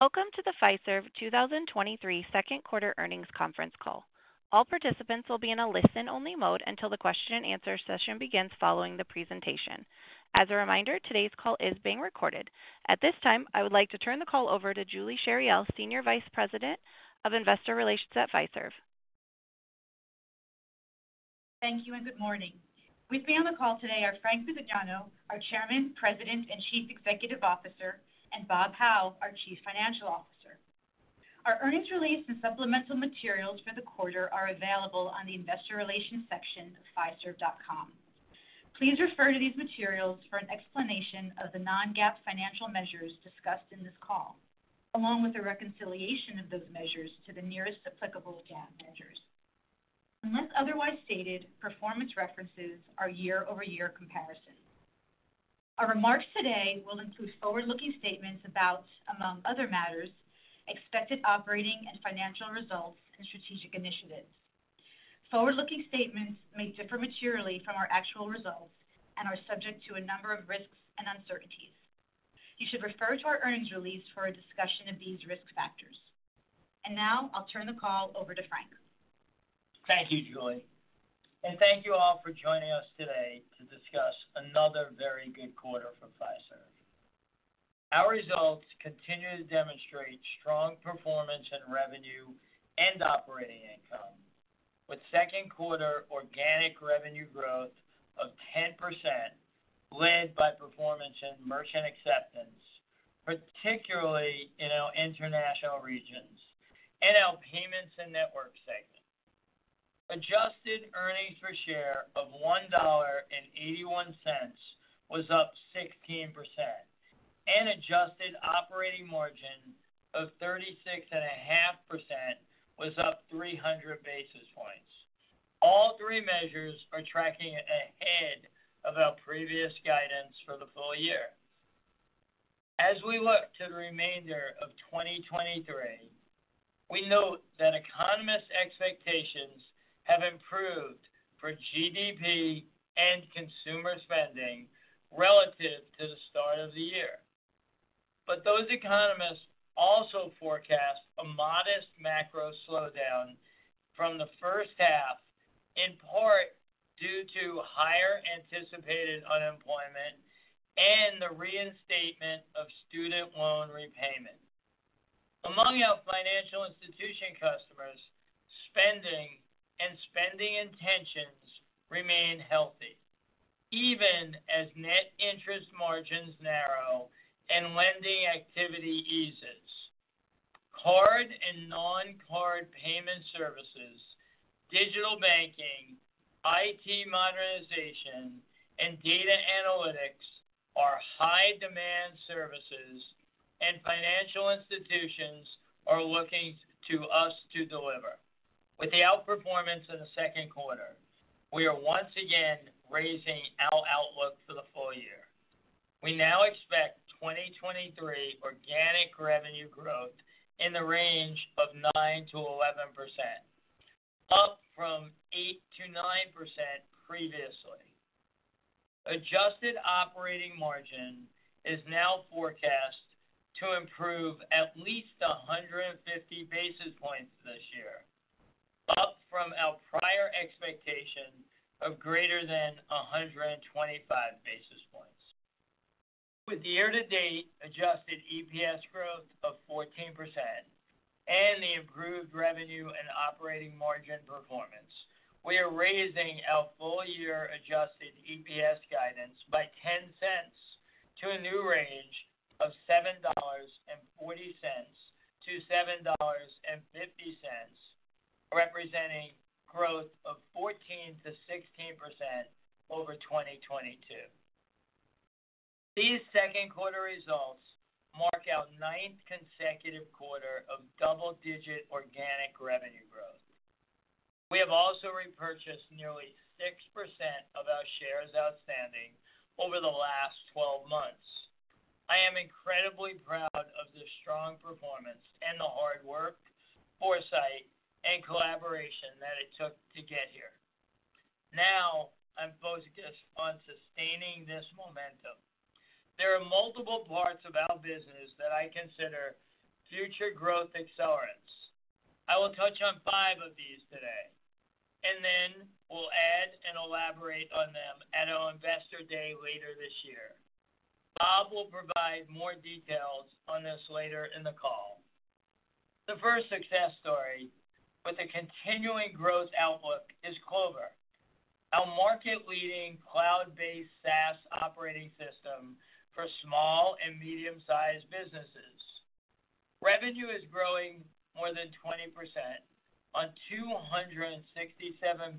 Welcome to the Fiserv 2023 Q2 earnings conference call. All participants will be in a listen-only mode until the question and answer session begins following the presentation. As a reminder, today's call is being recorded. At this time, I would like to turn the call over to Julie Chariell, Senior Vice President of Investor Relations at Fiserv. Thank you and good morning. With me on the call today are Frank Bisignano, our Chairman, President, and Chief Executive Officer, and Bob Hau, our Chief Financial Officer. Our earnings release and supplemental materials for the quarter are available on the investor relations section of fiserv.com. Please refer to these materials for an explanation of the non-GAAP financial measures discussed in this call, along with a reconciliation of those measures to the nearest applicable GAAP measures. Unless otherwise stated, performance references are year-over-year comparison. Our remarks today will include forward-looking statements about, among other matters, expected operating and financial results and strategic initiatives. Forward-looking statements may differ materially from our actual results and are subject to a number of risks and uncertainties. You should refer to our earnings release for a discussion of these risk factors. Now I'll turn the call over to Frank. Thank you, Julie, and thank you all for joining us today to discuss another very good quarter for Fiserv. Our results continue to demonstrate strong performance in revenue and operating income, with Q2 organic revenue growth of 10%, led by performance in merchant acceptance, particularly in our international regions and our payments and network segment. Adjusted earnings per share of $1.81 was up 16%, and adjusted operating margin of 36.5% was up 300 basis points. All three measures are tracking ahead of our previous guidance for the full year. As we look to the remainder of 2023, we note that economists' expectations have improved for GDP and consumer spending relative to the start of the year. Those economists also forecast a modest macro slowdown from the H1, in part due to higher anticipated unemployment and the reinstatement of student loan repayment. Among our financial institution customers, spending and spending intentions remain healthy, even as net interest margins narrow and lending activity eases. Card and non-card payment services, digital banking, IT modernization, and data analytics are high-demand services, and financial institutions are looking to us to deliver. With the outperformance in the Q2, we are once again raising our outlook for the full year. We now expect 2023 organic revenue growth in the range of 9% to 11%, up from 8% to 9% previously. Adjusted operating margin is now forecast to improve at least 150 basis points this year, up from our prior expectation of greater than 125 basis points. With year-to-date adjusted EPS growth of 14% and the improved revenue and operating margin performance, we are raising our full-year adjusted EPS guidance by $0.10 to a new range of $7.40 to $7.50, representing growth of 14% to 16% over 2022. These Q2 results mark our ninth consecutive quarter of double-digit organic revenue growth. We have also repurchased nearly 6% of our shares outstanding over the last 12 months. I am incredibly proud of this strong performance and the hard work, foresight, and collaboration that it took to get here. Now, I'm focused on sustaining this momentum. There are multiple parts of our business that I consider future growth accelerants. I will touch on five of these today, and then we'll add and elaborate on them at our Investor Day later this year. Bob will provide more details on this later in the call. The first success story with a continuing growth outlook is Clover, our market-leading cloud-based SaaS operating system for small and medium-sized businesses. Revenue is growing more than 20% on $267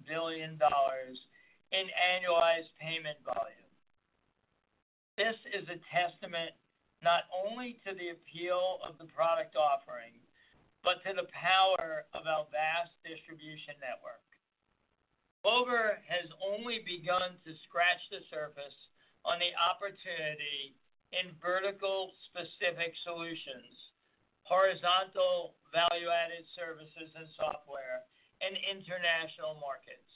billion in annualized payment volume. This is a testament not only to the appeal of the product offering, but to the power of our vast distribution network. Clover has only begun to scratch the surface on the opportunity in vertical-specific solutions and software in international markets.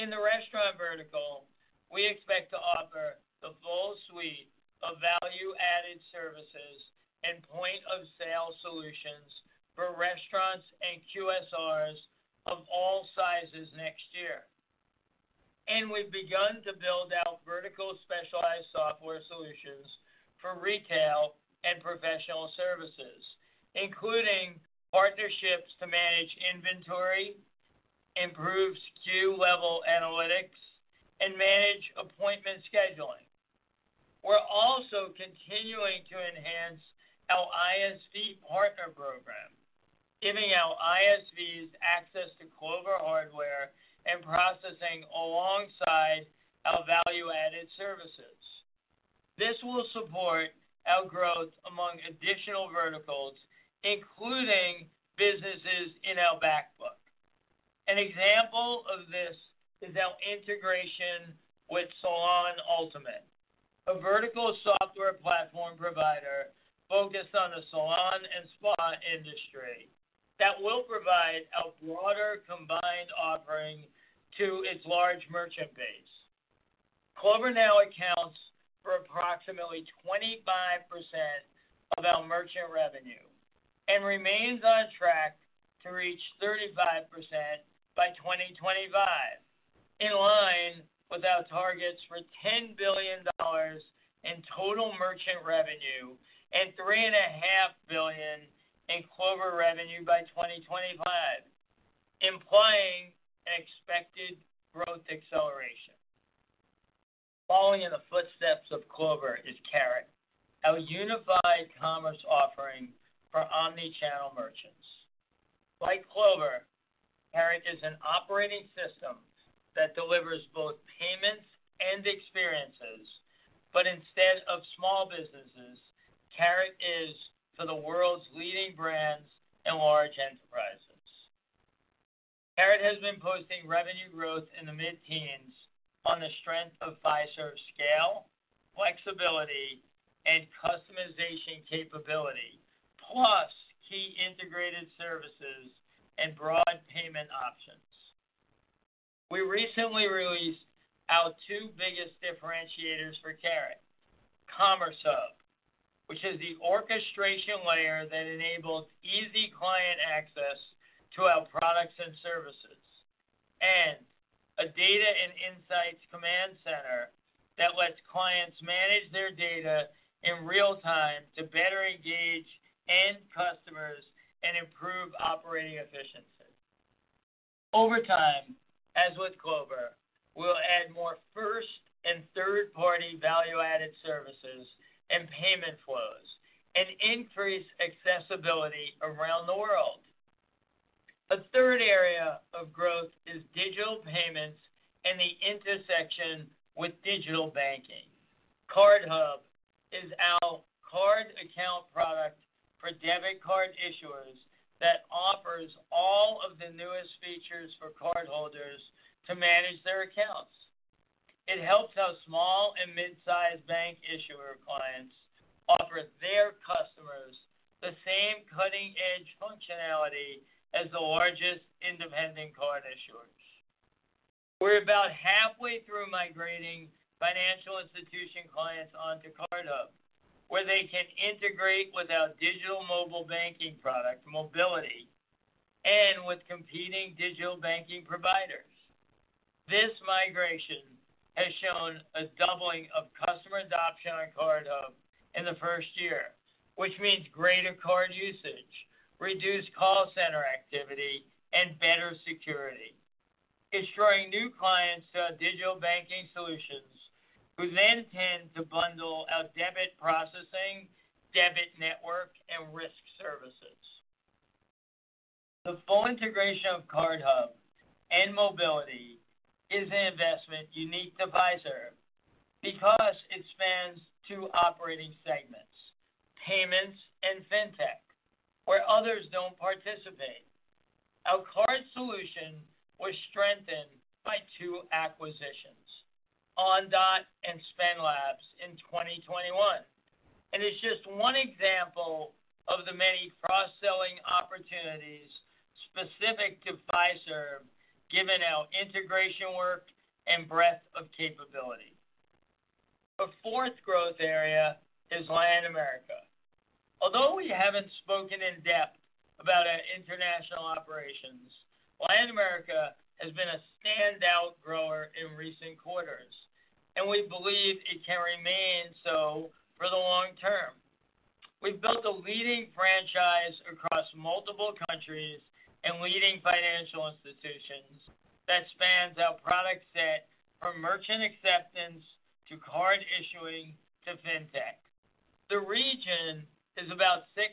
In the restaurant vertical, we expect to offer the full suite of value-added services and point-of-sale solutions for restaurants and QSRs of all sizes next year. We've begun to build out vertical specialized software solutions for retail and professional services, including partnerships to manage inventory, improve SKU-level analytics, and manage appointment scheduling. We're also continuing to enhance our ISV partner program, giving our ISVs access to Clover hardware and processing alongside our value-added services. This will support our growth among additional verticals, including businesses in our back book. An example of this is our integration with SalonUltimate, a vertical software platform provider focused on the salon and spa industry that will provide a broader combined offering to its large merchant base. Clover now accounts for approximately 25% of our merchant revenue and remains on track to reach 35% by 2025, in line with our targets for $10 billion in total merchant revenue and $3.5 billion in Clover revenue by 2025, implying an expected growth acceleration. Following in the footsteps of Clover is Carat, our unified commerce offering for omni-channel merchants. Like Clover, Carat is an operating system that delivers both payments and experiences. Instead of small businesses, Carat is for the world's leading brands and large enterprises. Carat has been posting revenue growth in the mid-teens on the strength of Fiserv's scale, flexibility, and customization capability, plus key integrated services and broad payment options. We recently released our two biggest differentiators for Carat: Commerce Hub, which is the orchestration layer that enables easy client access to our products and services, and a data and insights command center that lets clients manage their data in real time to better engage end customers and improve operating efficiency. Over time, as with Clover, we'll add more first- and third-party value-added services and payment flows and increase accessibility around the world. A third area of growth is digital payments and the intersection with digital banking. CardHub is our card account product for debit card issuers that offers all of the newest features for cardholders to manage their accounts. It helps our small and mid-sized bank issuer clients offer their customers the same cutting-edge functionality as the largest independent card issuers. We're about halfway through migrating financial institution clients onto CardHub, where they can integrate with our digital mobile banking product, Mobiliti, and with competing digital banking providers. This migration has shown a doubling of customer adoption on CardHub in the first year, which means greater card usage, reduced call center activity, and better security. It's drawing new clients to our digital banking solutions, who then tend to bundle our debit processing, debit network, and risk services. The full integration of CardHub and Mobiliti is an investment unique to Fiserv because it spans two operating segments, payments and fintech, where others don't participate. Our card solution was strengthened by two acquisitions, Ondot and SpendLabs, in 2021, and it's just one example of the many cross-selling opportunities specific to Fiserv, given our integration work and breadth of capability. A fourth growth area is Latin America. Although we haven't spoken in depth about our international operations, Latin America has been a standout grower in recent quarters, and we believe it can remain so for the long term. We've built a leading franchise across multiple countries and leading financial institutions that spans our product set from merchant acceptance to card issuing to fintech. The region is about 6%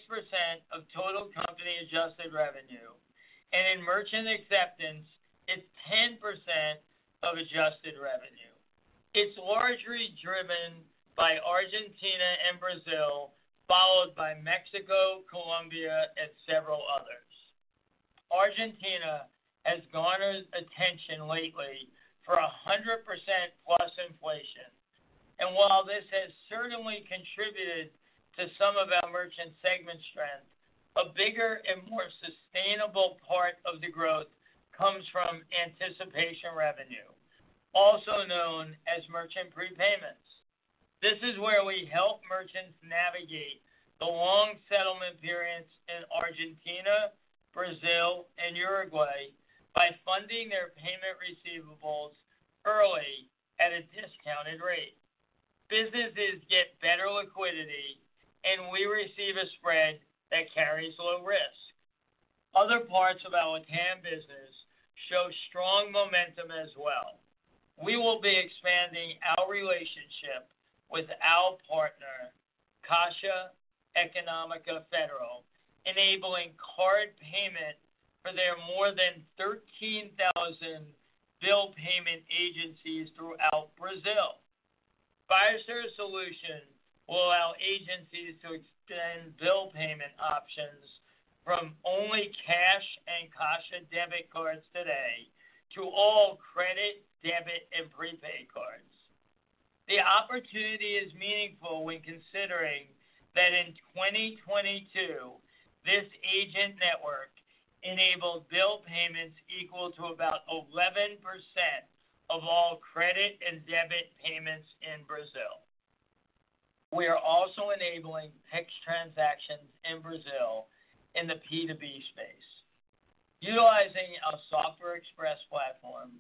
of total company adjusted revenue, and in merchant acceptance, it's 10% of adjusted revenue. It's largely driven by Argentina and Brazil, followed by Mexico, Colombia, and several others. Argentina has garnered attention lately for a 100%-plus inflation. While this has certainly contributed to some of our merchant segment strength, a bigger and more sustainable part of the growth comes from anticipation revenue, also known as merchant prepayments. This is where we help merchants navigate the long settlement periods in Argentina, Brazil, and Uruguay by funding their payment receivables early at a discounted rate. Businesses get better liquidity, and we receive a spread that carries low risk. Other parts of our LATAM business show strong momentum as well. We will be expanding our relationship with our partner, Caixa Econômica Federal, enabling card payment for their more than 13,000 bill payment agencies throughout Brazil. Fiserv solution will allow agencies to extend bill payment options from only cash and Caixa debit cards today to all credit, debit, and prepaid cards. The opportunity is meaningful when considering that in 2022, this agent network enabled bill payments equal to about 11% of all credit and debit payments in Brazil. We are also enabling Pix transactions in Brazil in the P2B space, utilizing our Software Express platform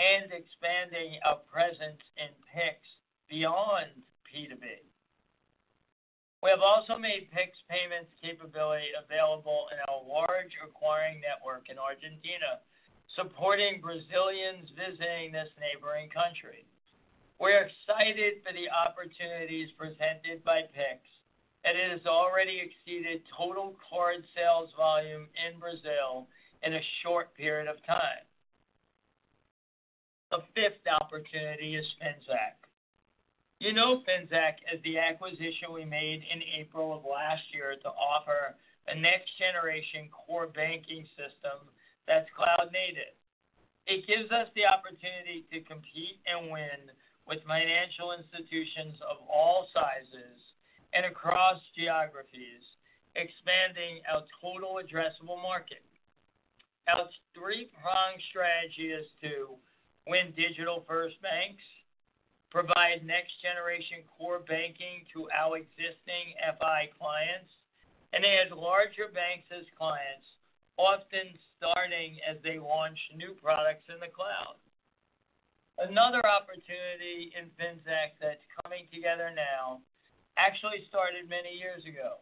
and expanding our presence in Pix beyond P2B. We have also made Pix payments capability available in our large acquiring network in Argentina, supporting Brazilians visiting this neighboring country. We are excited for the opportunities presented by Pix. It has already exceeded total card sales volume in Brazil in a short period of time. The fifth opportunity is Finxact. You know Finxact as the acquisition we made in April of last year to offer a next-generation core banking system that's cloud-native. It gives us the opportunity to compete and win with financial institutions of all sizes and across geographies, expanding our total addressable market. Our three-pronged strategy is to win digital-first banks, provide next-generation core banking to our existing FI clients, and add larger banks as clients, often starting as they launch new products in the cloud. Another opportunity in Finxact that's coming together now actually started many years ago.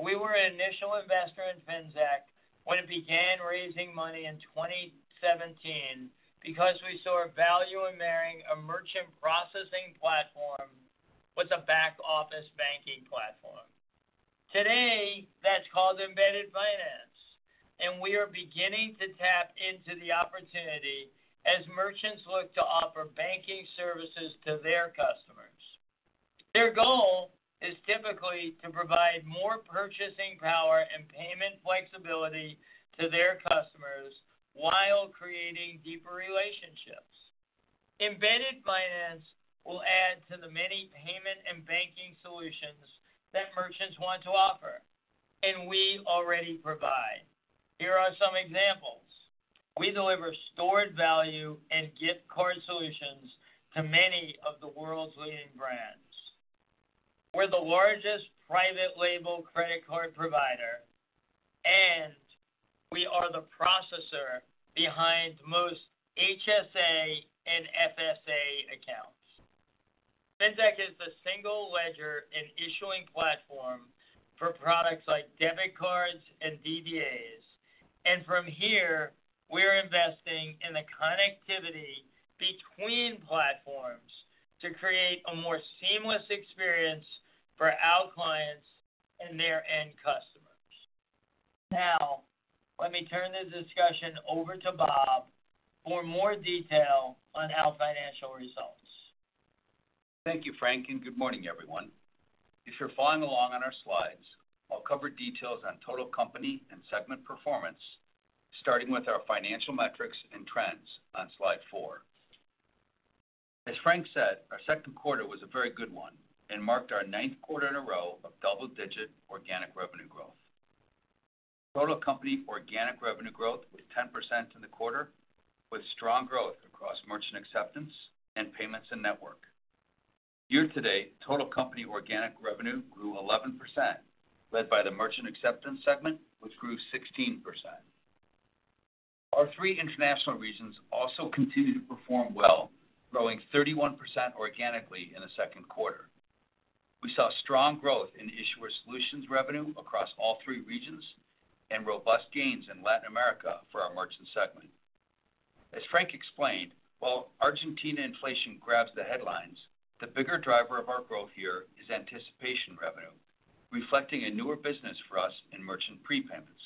We were an initial investor in Finxact when it began raising money in 2017 because we saw value in marrying a merchant processing platform with a back-office banking platform. Today, that's called embedded finance, and we are beginning to tap into the opportunity as merchants look to offer banking services to their customers. Their goal is typically to provide more purchasing power and payment flexibility to their customers while creating deeper relationships. Embedded finance will add to the many payment and banking solutions that merchants want to offer, we already provide. Here are some examples: We deliver stored value and gift card solutions to many of the world's leading brands. We're the largest private label credit card provider, we are the processor behind most HSA and FSA accounts. Finxact is the single ledger and issuing platform for products like debit cards and DDAs, from here, we're investing in the connectivity between platforms to create a more seamless experience for our clients and their end customers. Now, let me turn the discussion over to Bob for more detail on our financial results. Thank you, Frank. Good morning, everyone. If you're following along on our slides, I'll cover details on total company and segment performance, starting with our financial metrics and trends on slide four. As Frank said, our Q2 was a very good one, marked our ninth quarter in a row of double-digit organic revenue growth. Total company organic revenue growth was 10% in the quarter, with strong growth across Merchant Acceptance and Payments and Network. Year to date, total company organic revenue grew 11%, led by the Merchant Acceptance segment, which grew 16%. Our three international regions also continued to perform well, growing 31% organically in the Q2. We saw strong growth in Issuer Solutions revenue across all three regions and robust gains in Latin America for our Merchant segment. As Frank explained, while Argentina inflation grabs the headlines, the bigger driver of our growth here is anticipation revenue, reflecting a newer business for us in merchant prepayments.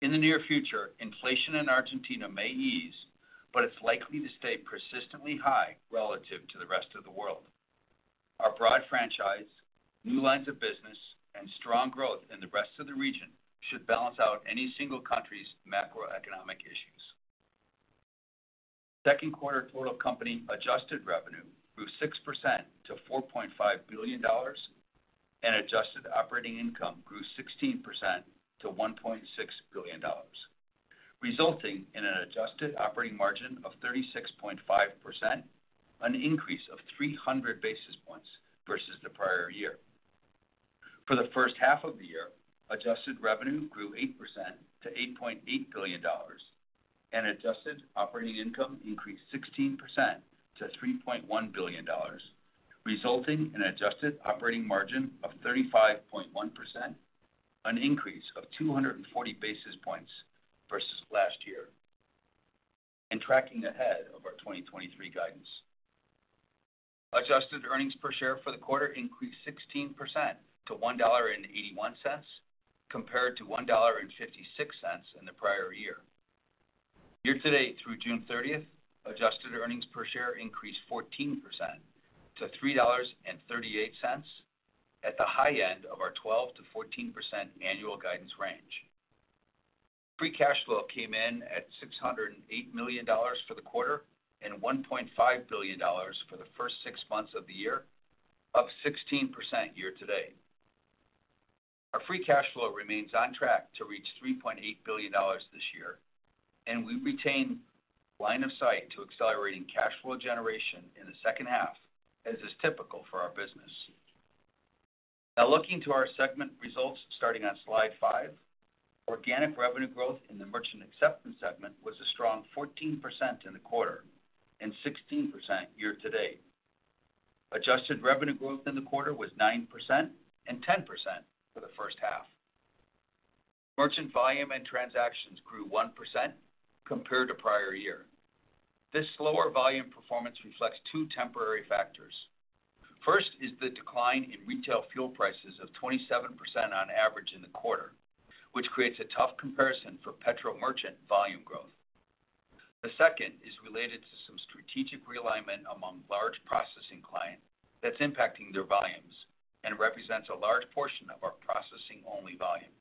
In the near future, inflation in Argentina may ease, but it's likely to stay persistently high relative to the rest of the world. Our broad franchise, new lines of business, and strong growth in the rest of the region should balance out any single country's macroeconomic issues. Q2 total company adjusted revenue grew 6% to $4.5 billion, and adjusted operating income grew 16% to $1.6 billion, resulting in an adjusted operating margin of 36.5%, an increase of 300 basis points versus the prior year. For the H1 of the year, adjusted revenue grew 8% to $8.8 billion, adjusted operating income increased 16% to $3.1 billion, resulting in an adjusted operating margin of 35.1%, an increase of 240 basis points versus last year, tracking ahead of our 2023 guidance. Adjusted earnings per share for the quarter increased 16% to $1.81, compared to $1.56 in the prior year. Year-to-date through 30 June, adjusted earnings per share increased 14% to $3.38, at the high end of our 12% to 14% annual guidance range. Free cash flow came in at $608 million for the quarter and $1.5 billion for the first six months of the year, up 16% year-to-date. Our free cash flow remains on track to reach $3.8 billion this year, and we retain line of sight to accelerating cash flow generation in the H2 as is typical for our business. Now, looking to our segment results, starting on slide five. Organic revenue growth in the merchant acceptance segment was a strong 14% in the quarter and 16% year-to-date. Adjusted revenue growth in the quarter was 9% and 10% for the H1. Merchant volume and transactions grew 1% compared to prior year. This slower volume performance reflects two temporary factors. First is the decline in retail fuel prices of 27% on average in the quarter, which creates a tough comparison for petrol merchant volume growth. The second is related to some strategic realignment among large processing clients that's impacting their volumes and represents a large portion of our processing-only volume.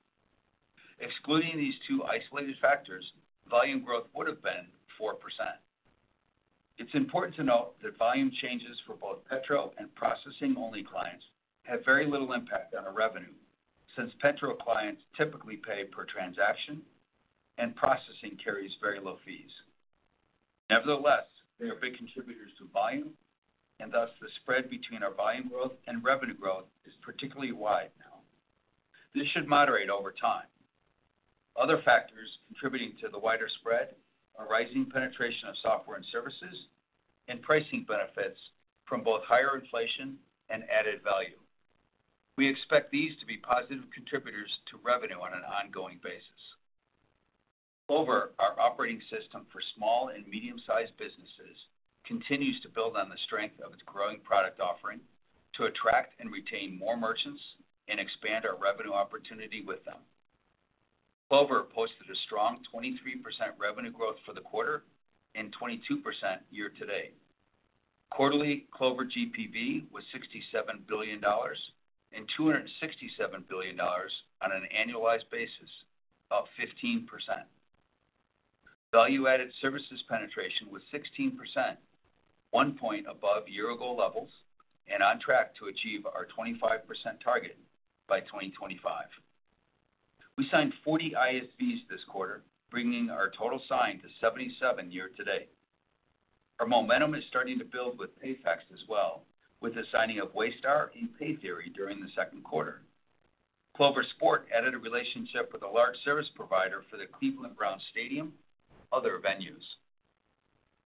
Excluding these two isolated factors, volume growth would have been 4%. It's important to note that volume changes for both petrol and processing-only clients have very little impact on our revenue, since petrol clients typically pay per transaction and processing carries very low fees. Nevertheless, they are big contributors to volume, and thus the spread between our volume growth and revenue growth is particularly wide now. This should moderate over time. Other factors contributing to the wider spread are rising penetration of software and services and pricing benefits from both higher inflation and added value. We expect these to be positive contributors to revenue on an ongoing basis. Clover, our operating system for small and medium-sized businesses, continues to build on the strength of its growing product offering to attract and retain more merchants and expand our revenue opportunity with them. Clover posted a strong 23% revenue growth for the quarter and 22% year-to-date. Quarterly Clover GPV was $67 billion and $267 billion on an annualized basis, up 15%. Value-added services penetration was 16%, one point above year-ago levels, and on track to achieve our 25% target by 2025. We signed 40 ISVs this quarter, bringing our total signed to 77 year-to-date. Our momentum is starting to build with PayFac as well, with the signing of Waystar and Pay Theory during the Q2. Clover Sport added a relationship with a large service provider for the Cleveland Browns Stadium and other venues.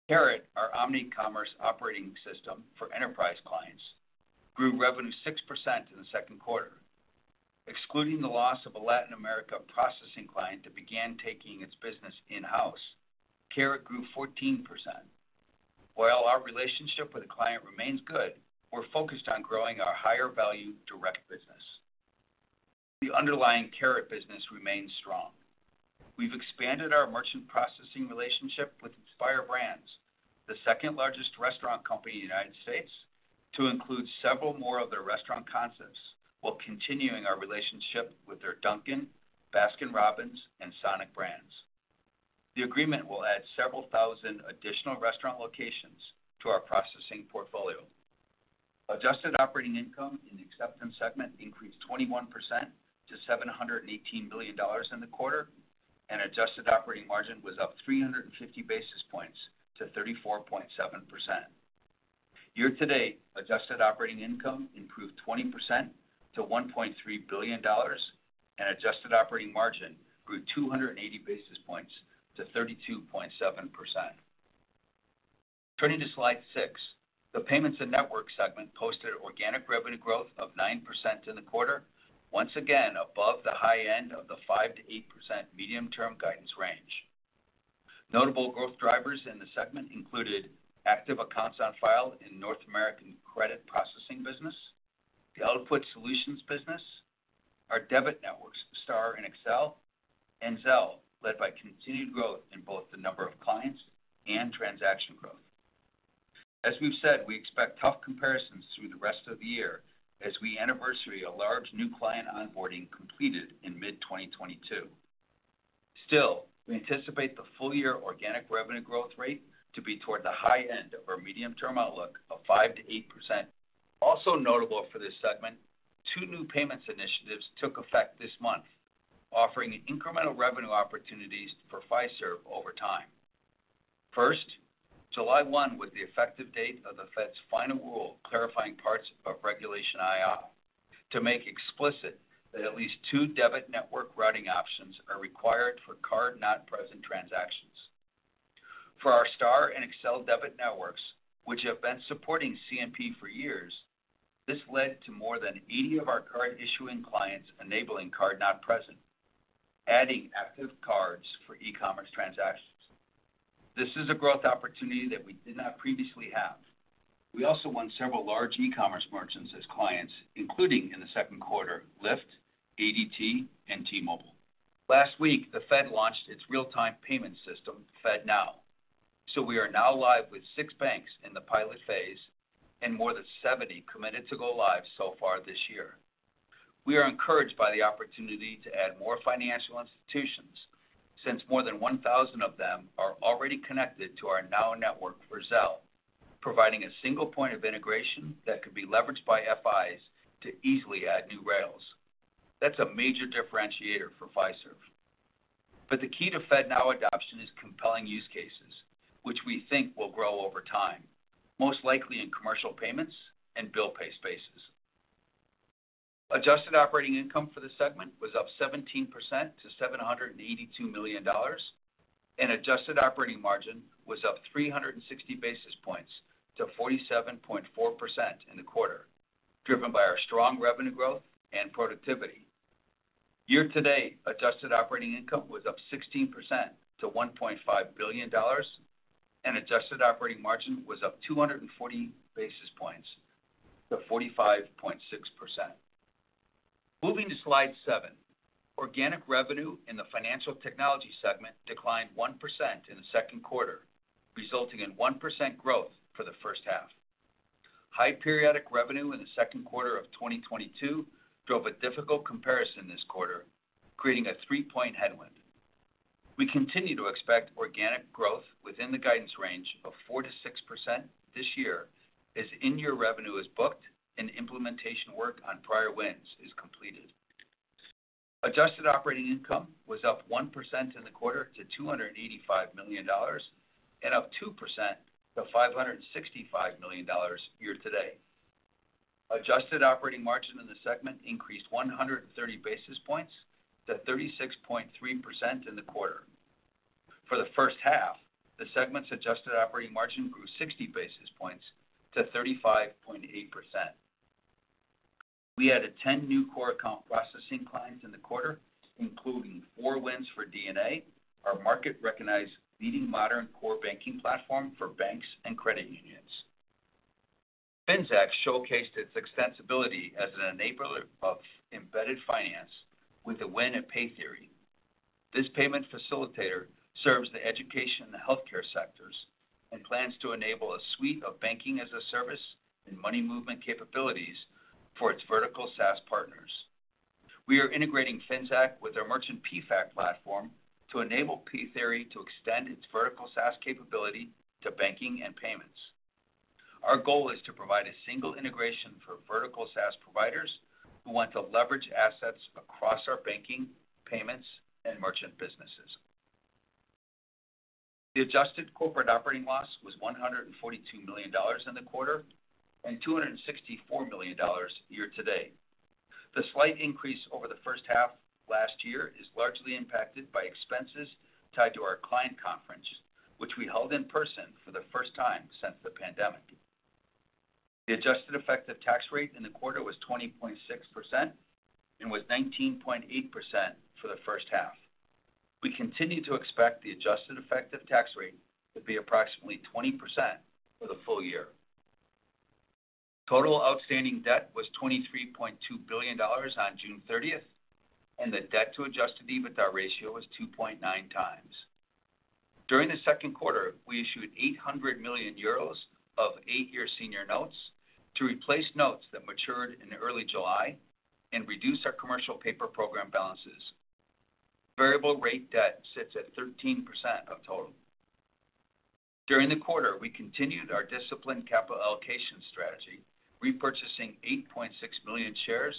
Carat, our omni-commerce operating system for enterprise clients, grew revenue 6% in the Q2. Excluding the loss of a Latin America processing client that began taking its business in-house, Carat grew 14%. While our relationship with the client remains good, we're focused on growing our higher-value direct business. The underlying Carat business remains strong. We've expanded our merchant processing relationship with Inspire Brands, the second-largest restaurant company in the United States, to include several more of their restaurant concepts, while continuing our relationship with their Dunkin', Baskin-Robbins, and SONIC brands. The agreement will add several thousand additional restaurant locations to our processing portfolio. Adjusted operating income in the acceptance segment increased 21% to $718 billion in the quarter, and adjusted operating margin was up 350 basis points to 34.7%. Year-to-date, adjusted operating income improved 20% to $1.3 billion, and adjusted operating margin grew 280 basis points to 32.7%. Turning to slide six. The payments and networks segment posted organic revenue growth of 9% in the quarter, once again above the high end of the 5% to 8% medium-term guidance range. Notable growth drivers in the segment included active accounts on file in North American credit processing business, the Output Solutions business, our debit networks, STAR and Accel, and Zelle, led by continued growth in both the number of clients and transaction growth. We've said, we expect tough comparisons through the rest of the year as we anniversary a large new client onboarding completed in mid-2022. We anticipate the full-year organic revenue growth rate to be toward the high end of our medium-term outlook of 5% to 8%. Notable for this segment, two new payments initiatives took effect this month, offering incremental revenue opportunities for Fiserv over time. 1 July was the effective date of the Fed's final rule, clarifying parts of Regulation II to make explicit that at least two debit network routing options are required for card-not-present transactions. For our STAR and Accel debit networks, which have been supporting CNP for years, this led to more than 80 of our current issuing clients enabling card not present, adding active cards for e-commerce transactions. This is a growth opportunity that we did not previously have. We also won several large e-commerce merchants as clients, including in the Q2, Lyft, ADT, and T-Mobile. Last week, the Fed launched its real-time payment system, FedNow, we are now live with six banks in the pilot phase and more than 70 committed to go live so far this year. We are encouraged by the opportunity to add more financial institutions since more than 1,000 of them are already connected to our NOW Network for Zelle, providing a single point of integration that could be leveraged by FIs to easily add new rails. That's a major differentiator for Fiserv. The key to FedNow adoption is compelling use cases, which we think will grow over time, most likely in commercial payments and bill pay spaces. Adjusted operating income for the segment was up 17% to $782 million, and adjusted operating margin was up 360 basis points to 47.4% in the quarter, driven by our strong revenue growth and productivity. Year-to-date, adjusted operating income was up 16% to $1.5 billion, and adjusted operating margin was up 240 basis points to 45.6%. Moving to slide seven. Organic revenue in the financial technology segment declined 1% in the Q2, resulting in 1% growth for the H1. High periodic revenue in the Q2 of 2022 drove a difficult comparison this quarter, creating a three-point headwind. We continue to expect organic growth within the guidance range of 4% to 6% this year as in-year revenue is booked and implementation work on prior wins is completed. Adjusted operating income was up 1% in the quarter to $285 million and up 2% to $565 million year to date. Adjusted operating margin in the segment increased 130 basis points to 36.3% in the quarter. For the H1, the segment's adjusted operating margin grew 60 basis points to 35.8%. We added 10 new core account processing clients in the quarter, including four wins for DNA, our market-recognized leading modern core banking platform for banks and credit unions. Finxact showcased its extensibility as an enabler of embedded finance with a win at Pay Theory. This payment facilitator serves the education and healthcare sectors and plans to enable a suite of banking-as-a-service and money movement capabilities for its vertical SaaS partners. We are integrating Finxact with our merchant PayFac platform to enable Pay Theory to extend its vertical SaaS capability to banking and payments. Our goal is to provide a single integration for vertical SaaS providers who want to leverage assets across our banking, payments, and merchant businesses. The adjusted corporate operating loss was $142 million in the quarter and $264 million year-to-date. The slight increase over the H1 last year is largely impacted by expenses tied to our client conference, which we held in person for the first time since the pandemic. The adjusted effective tax rate in the quarter was 20.6% and was 19.8% for the H1. We continue to expect the adjusted effective tax rate to be approximately 20% for the full year. Total outstanding debt was $23.2 billion on 30 June, and the debt to adjusted EBITDA ratio was 2.9x. During the Q2, we issued 800 million euros of eight-year senior notes to replace notes that matured in early July and reduced our commercial paper program balances. Variable rate debt sits at 13% of total. During the quarter, we continued our disciplined capital allocation strategy, repurchasing 8.6 million shares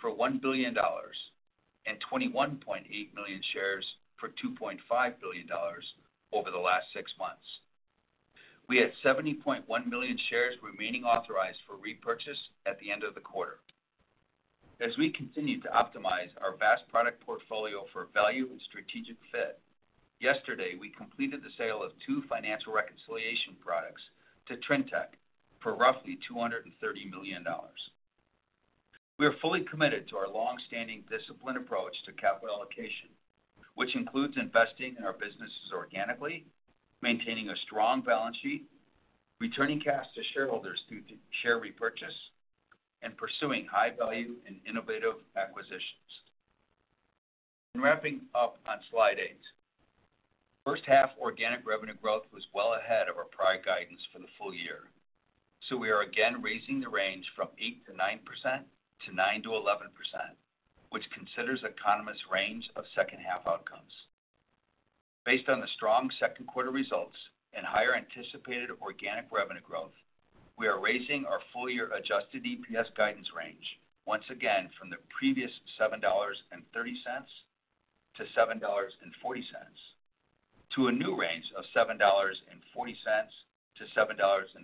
for $1 billion and 21.8 million shares for $2.5 billion over the last six months. We had 71 million shares remaining authorized for repurchase at the end of the quarter. As we continue to optimize our vast product portfolio for value and strategic fit, yesterday, we completed the sale of two financial reconciliation products to Trintech for roughly $230 million. We are fully committed to our long-standing disciplined approach to capital allocation, which includes investing in our businesses organically, maintaining a strong balance sheet, returning cash to shareholders through share repurchase, and pursuing high-value and innovative acquisitions.... Wrapping up on slide eight, H1 organic revenue growth was well ahead of our prior guidance for the full year. We are again raising the range from 8% to 9% to 9% to 11%, which considers economists' range of H2 outcomes. Based on the strong Q2 results and higher anticipated organic revenue growth, we are raising our full-year adjusted EPS guidance range once again from the previous $7.30 to $7.40, to a new range of $7.40 to $7.50,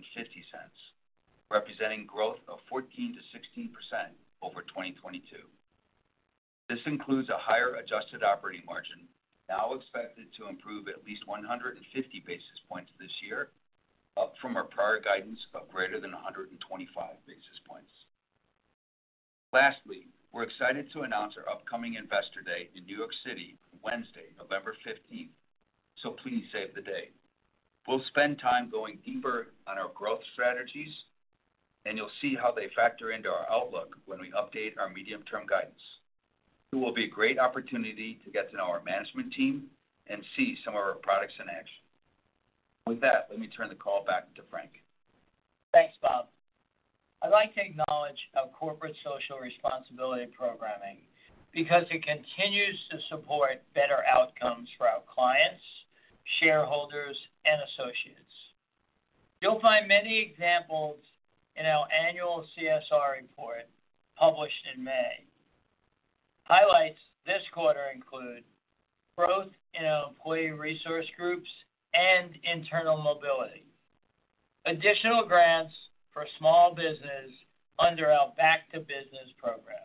representing growth of 14% to 16% over 2022. This includes a higher adjusted operating margin, now expected to improve at least 150 basis points this year, up from our prior guidance of greater than 125 basis points. We're excited to announce our upcoming Investor Day in New York City on Wednesday, November fifteenth. Please save the day. We'll spend time going deeper on our growth strategies, you'll see how they factor into our outlook when we update our medium-term guidance. It will be a great opportunity to get to know our management team and see some of our products in action. With that, let me turn the call back to Frank. Thanks, Bob. I'd like to acknowledge our corporate social responsibility programming because it continues to support better outcomes for our clients, shareholders, and associates. You'll find many examples in our annual CSR report, published in May. Highlights this quarter include growth in our employee resource groups and internal mobility, additional grants for small business under our Back2Business program,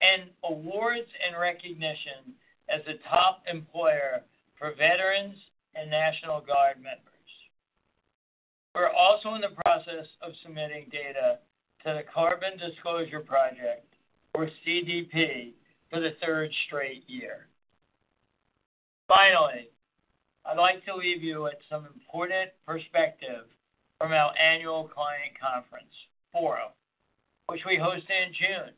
and awards and recognition as a top employer for veterans and National Guard members. We're also in the process of submitting data to the Carbon Disclosure Project, or CDP, for the third straight year. I'd like to leave you with some important perspective from our annual client conference, Forum, which we hosted in June.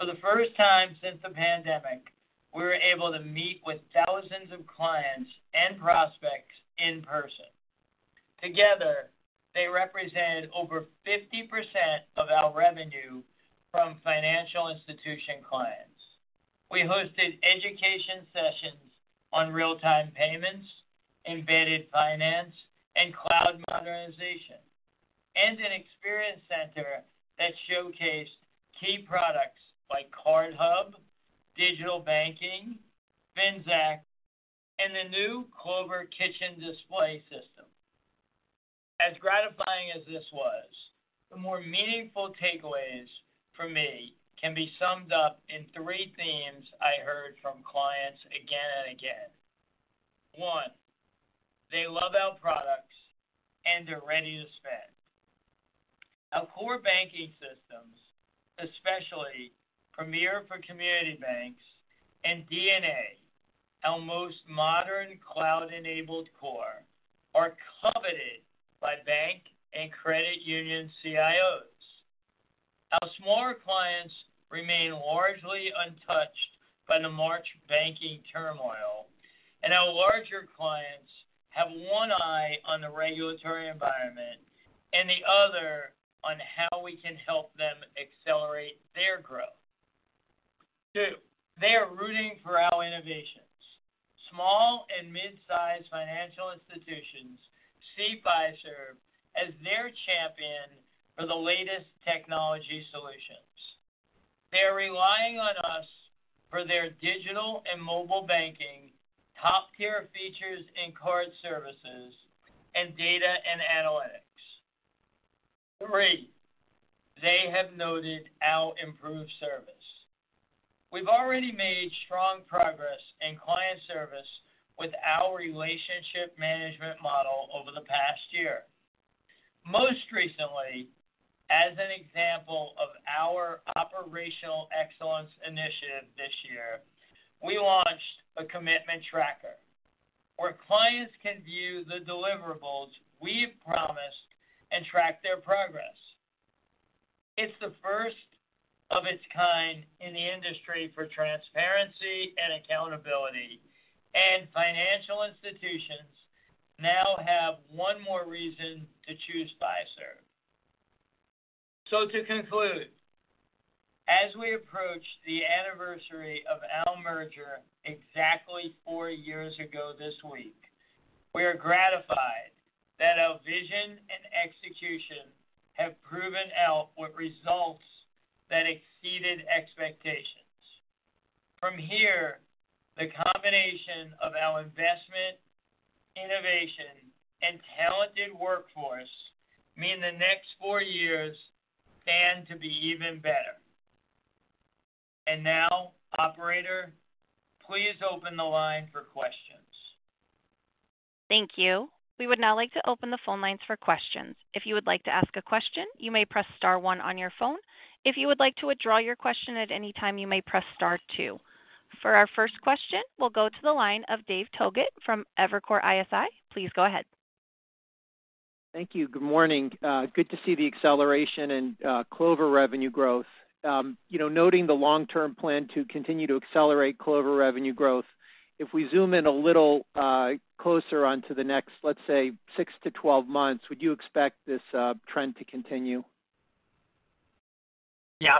For the first time since the pandemic, we were able to meet with thousands of clients and prospects in person. Together, they represented over 50% of our revenue from financial institution clients. We hosted education sessions on real-time payments, embedded finance, and cloud modernization, and an experience center that showcased key products like CardHub, Digital Banking, Finxact, and the new Clover Kitchen Display System. As gratifying as this was, the more meaningful takeaways for me can be summed up in three themes I heard from clients again and again. One, they love our products, and they're ready to spend. Our core banking systems, especially Premier for community banks and DNA, our most modern cloud-enabled core, are coveted by bank and credit union CIOs. Our smaller clients remain largely untouched by the March banking turmoil, and our larger clients have one eye on the regulatory environment and the other on how we can help them accelerate their growth. Two, they are rooting for our innovations. Small and mid-sized financial institutions see Fiserv as their champion for the latest technology solutions. They are relying on us for their digital and mobile banking, top-tier features in card services, and data and analytics. Three, they have noted our improved service. We've already made strong progress in client service with our relationship management model over the past year. Most recently, as an example of our operational excellence initiative this year, we launched a Commitment Tracker, where clients can view the deliverables we've promised and track their progress. It's the first of its kind in the industry for transparency and accountability, and financial institutions now have one more reason to choose Fiserv. To conclude, as we approach the anniversary of our merger exactly four years ago this week, we are gratified that our vision and execution have proven out with results that exceeded expectations. From here, the combination of our investment, innovation, and talented workforce mean the next four years stand to be even better. Now, operator, please open the line for questions. Thank you. We would now like to open the phone lines for questions. If you would like to ask a question, you may press star one on your phone. If you would like to withdraw your question at any time, you may press star two. For our first question, we'll go to the line of Dave Togut from Evercore ISI. Please go ahead. Thank you. Good morning. Good to see the acceleration in Clover revenue growth. You know, noting the long-term plan to continue to accelerate Clover revenue growth, if we zoom in a little closer onto the next, let's say, six to 12 months, would you expect this trend to continue? Yeah,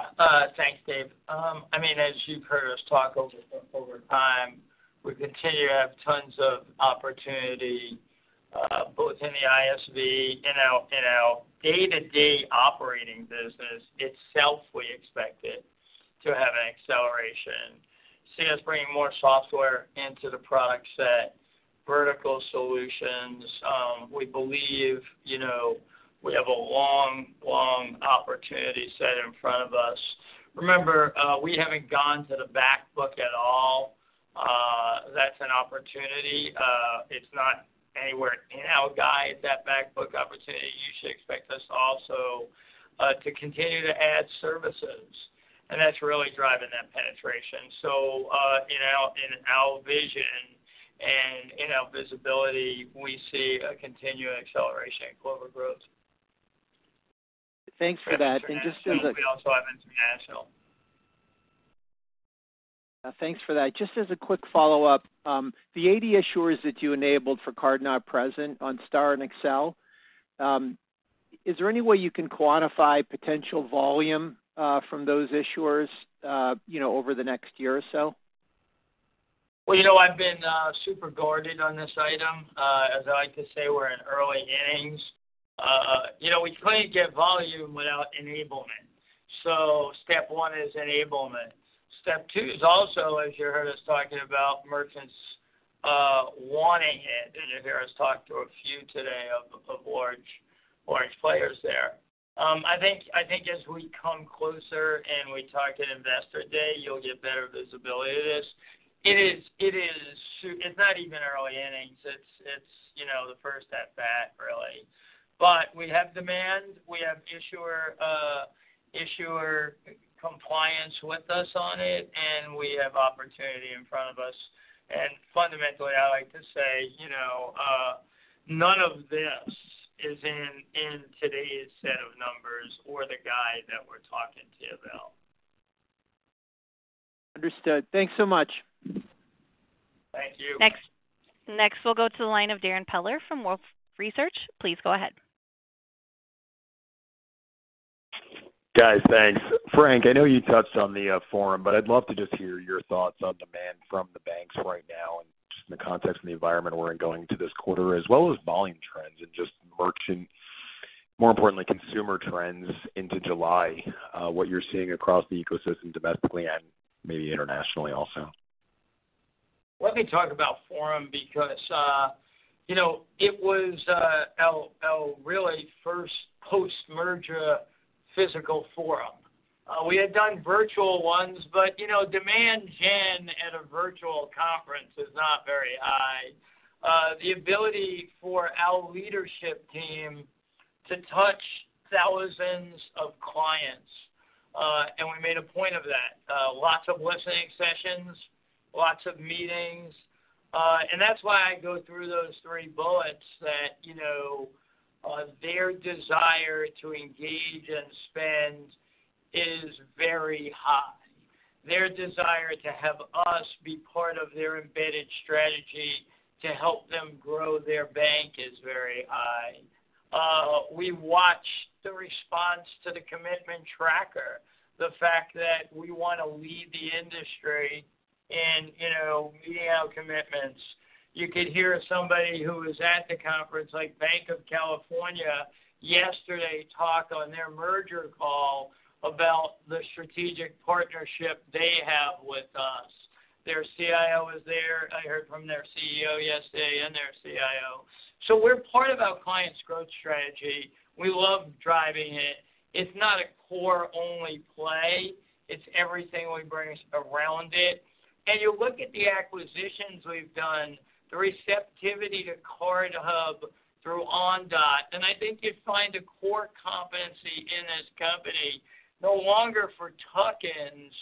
thanks, Dave. I mean, as you've heard us talk over time, we continue to have tons of opportunity, both in the ISV. In our day-to-day operating business itself, we expect it to have an acceleration. See us bringing more software into the product set, vertical solutions. We believe, you know, we have a long, long opportunity set in front of us. Remember, we haven't gone to the back book at all. That's an opportunity. It's not anywhere in our guide, that back book opportunity. You should expect us also to continue to add services, and that's really driving that penetration. So, in our vision and in our visibility, we see a continuing acceleration in global growth. Thanks for that. We also have international. Thanks for that. Just as a quick follow-up, the 80 issuers that you enabled for card-not-present on STAR and Accel, is there any way you can quantify potential volume from those issuers, you know, over the next year or so? Well, you know, I've been super guarded on this item. As I like to say, we're in early innings. You know, we can't get volume without enablement. Step one is enablement. Step two is also, as you heard us talking about, merchants wanting it, and you hear us talk to a few today of large players there. I think as we come closer and we talk at Investor Day, you'll get better visibility of this. It is, it's not even early innings. It's, you know, the first at-bat, really. We have demand, we have issuer compliance with us on it, and we have opportunity in front of us. Fundamentally, I like to say, you know, none of this is in today's set of numbers or the guide that we're talking to you about. Understood. Thanks so much. Thank you. Next, we'll go to the line of Darrin Peller from Wolfe Research. Please go ahead. Guys, thanks. Frank, I know you touched on the Forum, but I'd love to just hear your thoughts on demand from the banks right now in the context of the environment we're in going to this quarter, as well as volume trends and just more importantly, consumer trends into July, what you're seeing across the ecosystem domestically and maybe internationally also. Let me talk about Forum, because, you know, it was our really first post-merger physical Forum. We had done virtual ones, but, you know, demand gen at a virtual conference is not very high. The ability for our leadership team to touch thousands of clients, and we made a point of that. Lots of listening sessions, lots of meetings, and that's why I go through those three bullets that, you know, their desire to engage and spend is very high. Their desire to have us be part of their embedded strategy to help them grow their bank is very high. We watched the response to the Client Commitment Tracker, the fact that we want to lead the industry in, you know, meeting our commitments. Could hear somebody who was at the conference, like Banc of California, yesterday, talk on their merger call about the strategic partnership they have with us. Their CIO is there. I heard from their CEO yesterday and their CIO. We're part of our client's growth strategy. We love driving it. It's not a core-only play. It's everything we bring around it. You look at the acquisitions we've done, the receptivity to CardHub through Ondot, and I think you'd find a core competency in this company, no longer for tuck-ins,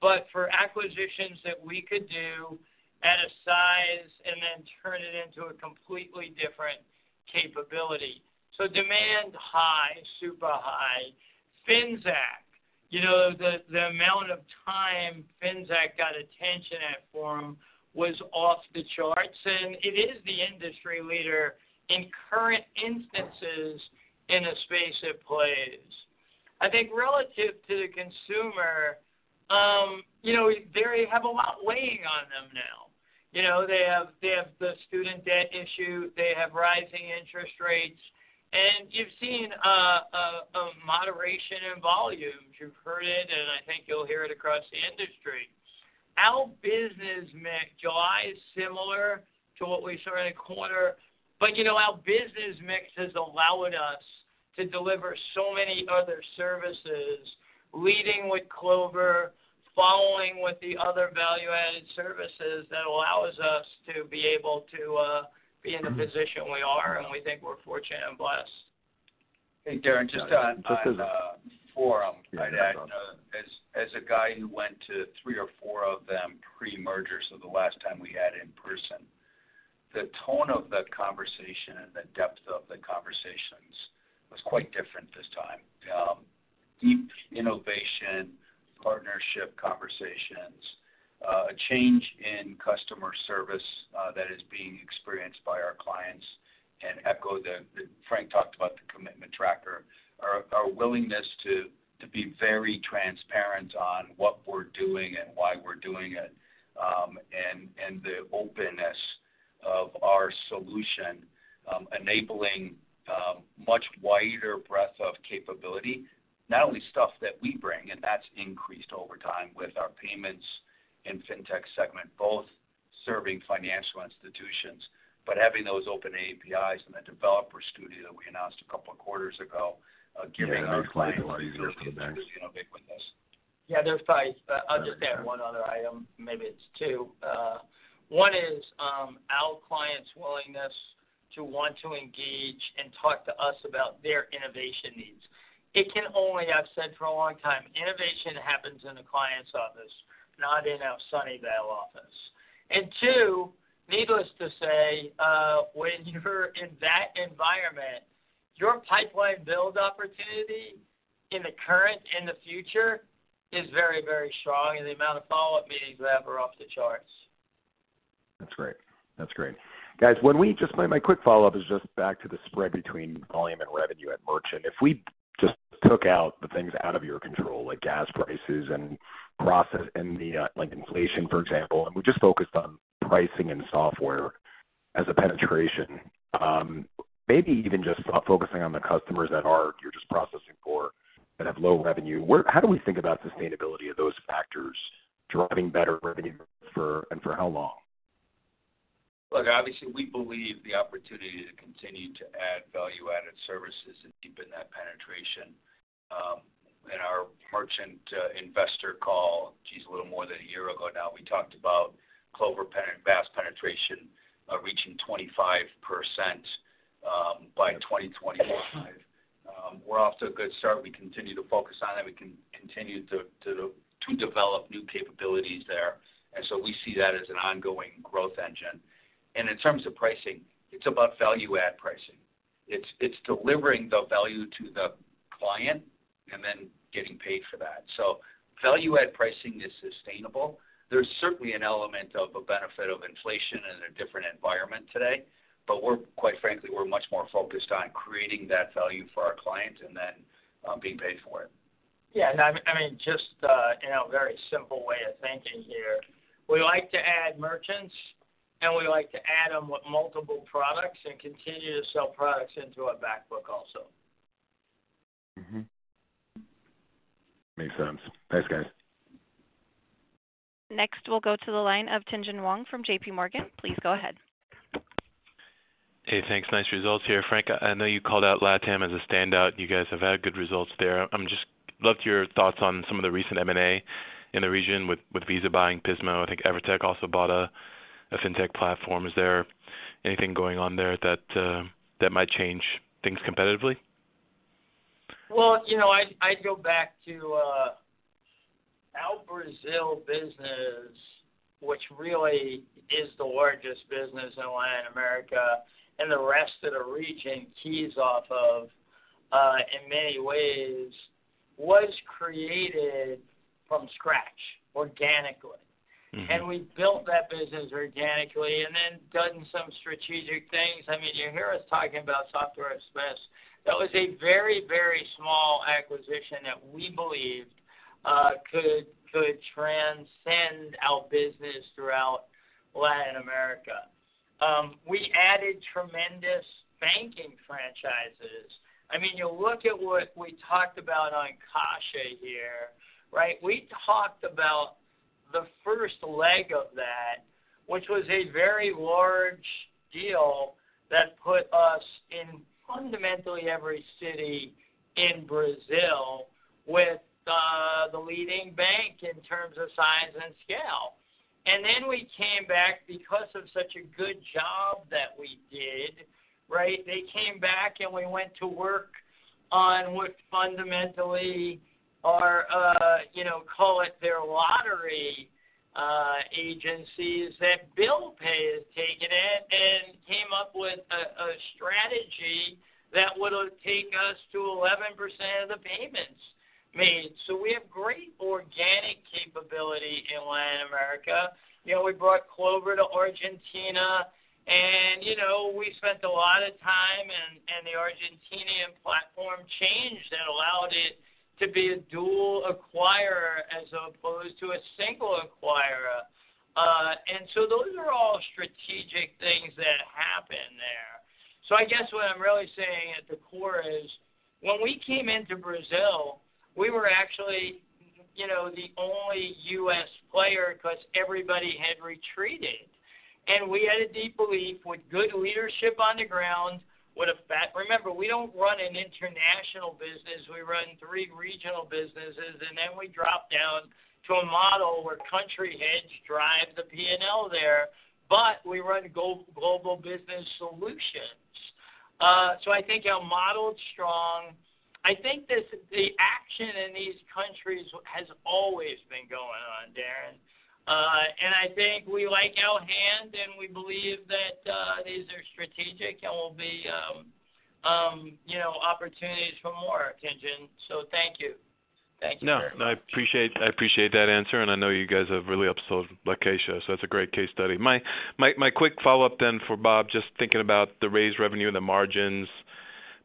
but for acquisitions that we could do at a size and then turn it into a completely different capability. Demand high, super high. Finxact. You know, the amount of time Finxact got attention at Forum was off the charts. It is the industry leader in current instances in the space it plays. I think relative to the consumer, you know, they have a lot weighing on them now. You know, they have the student debt issue, they have rising interest rates, you've seen a moderation in volumes. You've heard it, I think you'll hear it across the industry. Our business mix drives similar to what we saw in a quarter, you know, our business mix has allowed us to deliver so many other services, leading with Clover, following with the other value-added services that allows us to be able to be in the position we are, we think we're fortunate and blessed. Hey, Darrin, just on Forum, I'd add, as a guy who went to three or four of them pre-merger, so the last time we had in person, the tone of the conversation and the depth of the conversations was quite different this time. Deep innovation, partnership conversations, a change in customer service that is being experienced by our clients, and echo that Frank talked about the Client Commitment Tracker. Our willingness to be very transparent on what we're doing and why we're doing it, and the openness of our solution, enabling much wider breadth of capability, not only stuff that we bring, and that's increased over time with our payments and fintech segment, both serving financial institutions. Having those open APIs and the Developer Studio that we announced a couple of quarters ago. Yeah, that was quite a lot easier for the banks. Yeah, there's five. I'll just add one other item, maybe it's two. One is, our clients' willingness to want to engage and talk to us about their innovation needs. It can only, I've said for a long time, innovation happens in the client's office, not in our Sunnyvale office. Two, needless to say, when you're in that environment, your pipeline build opportunity in the current and the future is very, very strong, and the amount of follow-up meetings we have are off the charts. That's great. That's great. Guys, my quick follow-up is just back to the spread between volume and revenue at merchant. If we just took out the things out of your control, like gas prices and process and like inflation, for example, and we just focused on pricing and software as a penetration, maybe even just focusing on the customers that are, you're just processing for and have low revenue, how do we think about sustainability of those factors driving better revenue for, and for how long? Look, obviously, we believe the opportunity to continue to add value-added services and deepen that penetration. In our merchant investor call, geez, a little more than a year ago now, we talked about Clover vast penetration reaching 25% by 2025. We're off to a good start. We continue to focus on that. We continue to develop new capabilities there. We see that as an ongoing growth engine. In terms of pricing, it's about value-add pricing. It's delivering the value to the client and then getting paid for that. Value-add pricing is sustainable. There's certainly an element of a benefit of inflation in a different environment today. We're quite frankly, we're much more focused on creating that value for our clients and then being paid for it. Yeah, I mean, just in a very simple way of thinking here, we like to add merchants, and we like to add them with multiple products and continue to sell products into our back book also. Mm-hmm. Makes sense. Thanks, guys. Next, we'll go to the line of Tien-Tsin Huang from JPMorgan. Please go ahead. Hey, thanks. Nice results here. Frank, I know you called out LatAm as a standout. You guys have had good results there. Love to your thoughts on some of the recent M&A in the region with Visa buying Pismo. I think Evertec also bought a fintech platform. Is there anything going on there that might change things competitively? Well, you know, I'd go back to our Brazil business, which really is the largest business in Latin America, and the rest of the region keys off of, in many ways, was created from scratch, organically. Mm-hmm. We built that business organically and then done some strategic things. I mean, you hear us talking about Software Express. That was a very, very small acquisition that we believed could transcend our business throughout Latin America. We added tremendous banking franchises. I mean, you look at what we talked about on Caixa here, right? We talked about the first leg of that, which was a very large deal that put us in fundamentally every city in Brazil, with the leading bank in terms of size and scale. Then we came back because of such a good job that we did, right? They came back. We went to work on what fundamentally are, you know, call it their lottery agencies, that Bill Pay has taken it and came up with a strategy that would take us to 11% of the payments made. We have great organic capability in Latin America. You know, we brought Clover to Argentina. You know, we spent a lot of time and the Argentinian platform changed and allowed it to be a dual acquirer as opposed to a single acquirer. Those are all strategic things that happened there. I guess what I'm really saying at the core is, when we came into Brazil, we were actually, you know, the only U.S. player because everybody had retreated. We had a deep belief with good leadership on the ground, Remember, we don't run an international business, we run three regional businesses, and then we drop down to a model where country heads drive the P&L there, but we run global business solutions. I think our model's strong. I think the action in these countries has always been going on, Darrin. I think we like our hand, and we believe that these are strategic and will be, you know, opportunities for more, Tien-Tsin. Thank you. Thank you very much. I appreciate that answer, and I know you guys have really upsold Locatia, so it's a great case study. My quick follow-up then for Bob, just thinking about the raised revenue and the margins,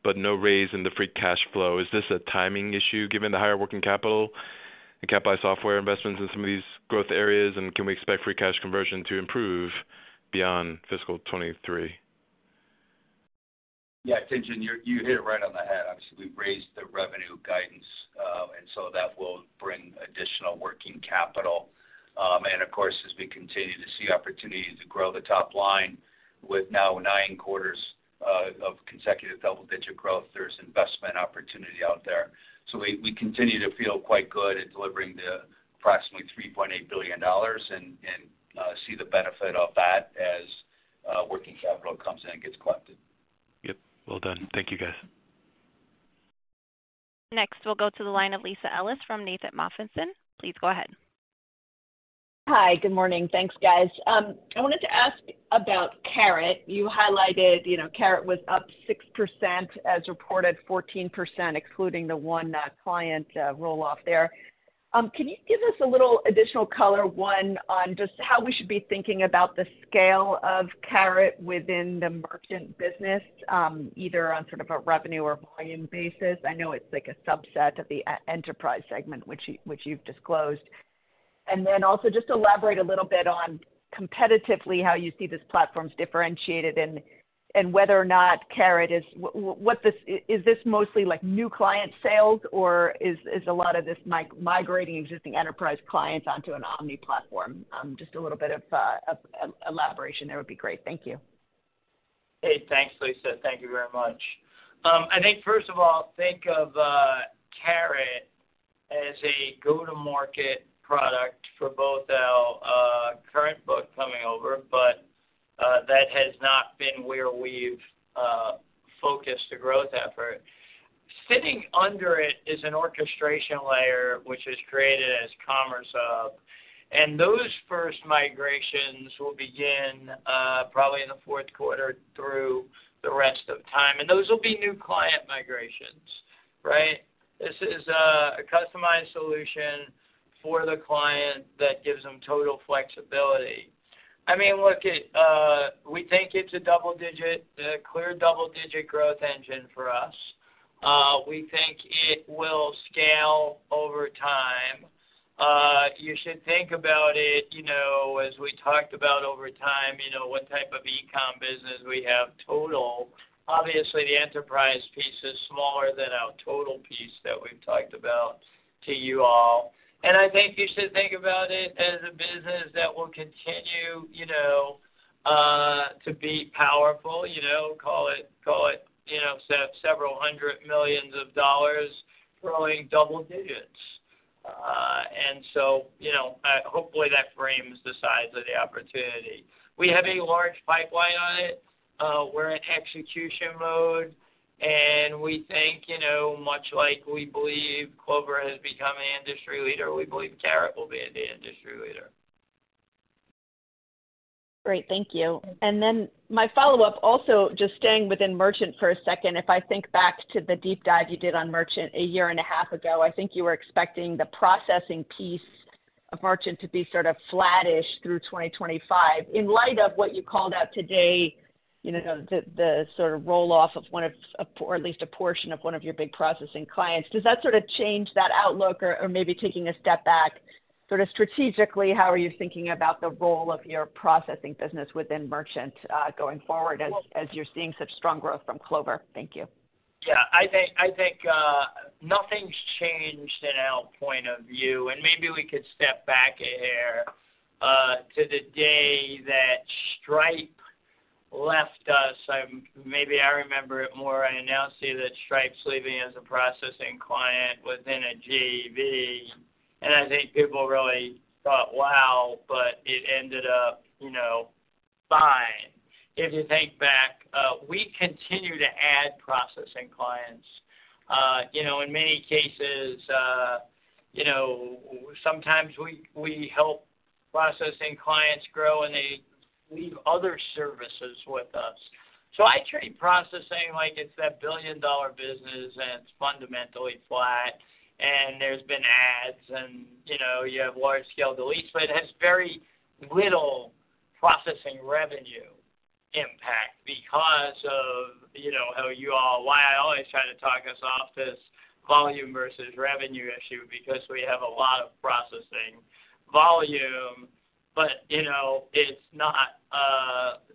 but no raise in the free cash flow. Is this a timing issue, given the higher working capital and cap by software investments in some of these growth areas? Can we expect free cash conversion to improve beyond fiscal 2023? Yeah, Tien-Tsin, you hit it right on the head. Obviously, we've raised the revenue guidance, that will bring additional working capital. Of course, as we continue to see opportunities to grow the top line with now nine quarters of consecutive double-digit growth, there's investment opportunity out there. We continue to feel quite good at delivering the approximately $3.8 billion and see the benefit of that as working capital comes in and gets collected. Yep. Well done. Thank you, guys. We'll go to the line of Lisa Ellis from MoffettNathanson. Please go ahead. Hi, good morning. Thanks, guys. I wanted to ask about Carat. You highlighted, you know, Carat was up 6%, as reported, 14%, excluding the one client roll-off there. Can you give us a little additional color, one, on just how we should be thinking about the scale of Carat within the merchant business, either on sort of a revenue or volume basis? I know it's like a subset of the enterprise segment, which you've disclosed. Also just elaborate a little bit on competitively, how you see these platforms differentiated and whether or not Carat is. What is this mostly like new client sales, or is a lot of this migrating existing enterprise clients onto an omni platform? Just a little bit of elaboration there would be great. Thank you. Thanks, Lisa. Thank you very much. I think, first of all, think of Carat as a go-to-market product for both our current book coming over, but that has not been where we've focused the growth effort. Sitting under it is an orchestration layer, which is created as Commerce Hub. Those first migrations will begin probably in the Q4 through the rest of time. Those will be new client migrations, right? This is a customized solution for the client that gives them total flexibility. I mean, look, it, we think it's a double-digit, clear double-digit growth engine for us. We think it will scale over time. You should think about it, you know, as we talked about over time, you know, what type of e-com business we have total. Obviously, the enterprise piece is smaller than our total piece that we've talked about to you all. I think you should think about it as a business that will continue, you know, to be powerful, you know, call it, you know, several hundred millions of dollars growing double digits. Hopefully that frames the size of the opportunity. We have a large pipeline on it. We're in execution mode, and we think, you know, much like we believe Clover has become an industry leader, we believe Carat will be an industry leader. Great, thank you. My follow-up, also, just staying within merchant for a second. If I think back to the deep dive you did on merchant a year and a half ago, I think you were expecting the processing piece of merchant to be sort of flattish through 2025. In light of what you called out today, you know, the sort of roll-off of one of, or at least a portion of one of your big processing clients, does that sort of change that outlook? Or maybe taking a step back, sort of strategically, how are you thinking about the role of your processing business within merchant, going forward as you're seeing such strong growth from Clover? Thank you. I think, nothing's changed in our point of view, and maybe we could step back a hair to the day that Stripe left us. Maybe I remember it more and announced that Stripe's leaving as a processing client within a JV, and I think people really thought, wow, but it ended up, you know, fine. If you think back, we continue to add processing clients. You know, in many cases, you know, sometimes we help processing clients grow, and they leave other services with us. I treat processing like it's that billion-dollar business, and it's fundamentally flat, and there's been adds and, you know, you have large-scale deletes, but it has very little processing revenue impact because of, you know, how you all... Why I always try to talk us off this volume versus revenue issue because we have a lot of processing volume, but, you know, it's not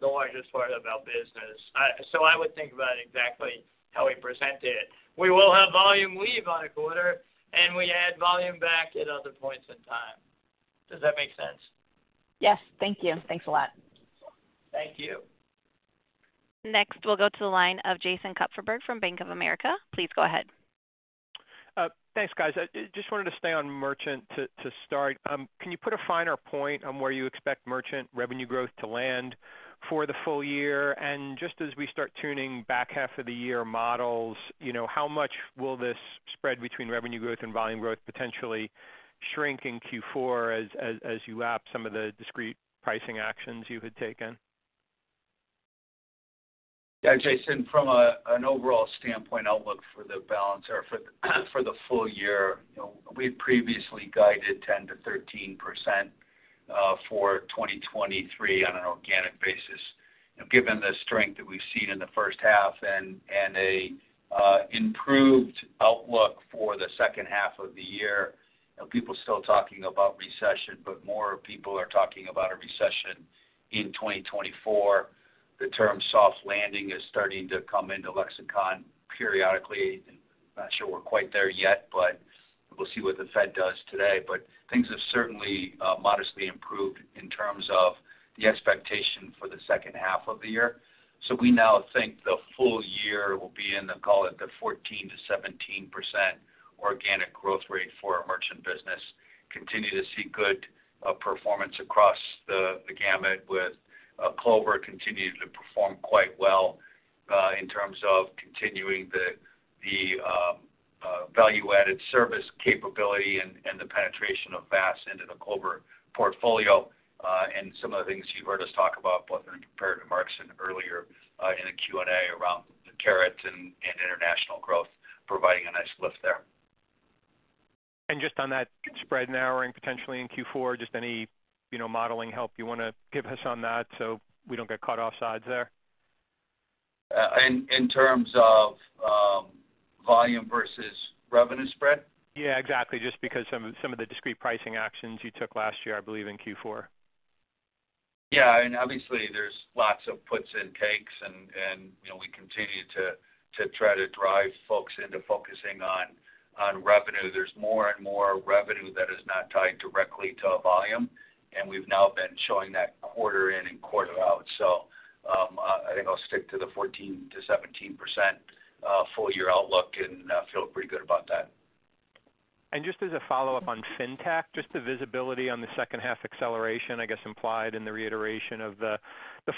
the largest part of our business. I would think about it exactly how we presented it. We will have volume leave on a quarter, and we add volume back at other points in time. Does that make sense? Yes. Thank you. Thanks a lot. Thank you. Next, we'll go to the line of Jason Kupferberg from Bank of America. Please go ahead. Thanks, guys. I just wanted to stay on merchant to start. Can you put a finer point on where you expect merchant revenue growth to land for the full year? Just as we start tuning back half of the year models, you know, how much will this spread between revenue growth and volume growth potentially shrink in Q4 as you lap some of the discrete pricing actions you had taken? Jason, from an overall standpoint outlook for the full year, you know, we had previously guided 10% to 13% for 2023 on an organic basis. Given the strength that we've seen in the H1 and an improved outlook for the H2 of the year, you know, people are still talking about recession, but more people are talking about a recession in 2024. The term soft landing is starting to come into lexicon periodically. I'm not sure we're quite there yet, but we'll see what the Fed does today. Things have certainly modestly improved in terms of the expectation for the H2 of the year. We now think the full year will be in the, call it, 14% to 17% organic growth rate for our merchant business. Continue to see good performance across the gamut, with Clover continuing to perform quite well, in terms of continuing the value-added service capability and the penetration of VASS into the Clover portfolio, and some of the things you heard us talk about, both in prepared marks and earlier, in the Q&A around the Carat and international growth, providing a nice lift there. Just on that spread narrowing potentially in Q4, just any, you know, modeling help you want to give us on that so we don't get caught off sides there? In terms of volume versus revenue spread? Yeah, exactly. Just because some of the discrete pricing actions you took last year, I believe, in Q4. Obviously, there's lots of puts and takes, and, you know, we continue to try to drive folks into focusing on revenue. There's more and more revenue that is not tied directly to a volume, and we've now been showing that quarter in and quarter out. I think I'll stick to the 14% to 17% full year outlook, and I feel pretty good about that. Just as a follow-up on Fintech, just the visibility on the H2 acceleration, I guess, implied in the reiteration of the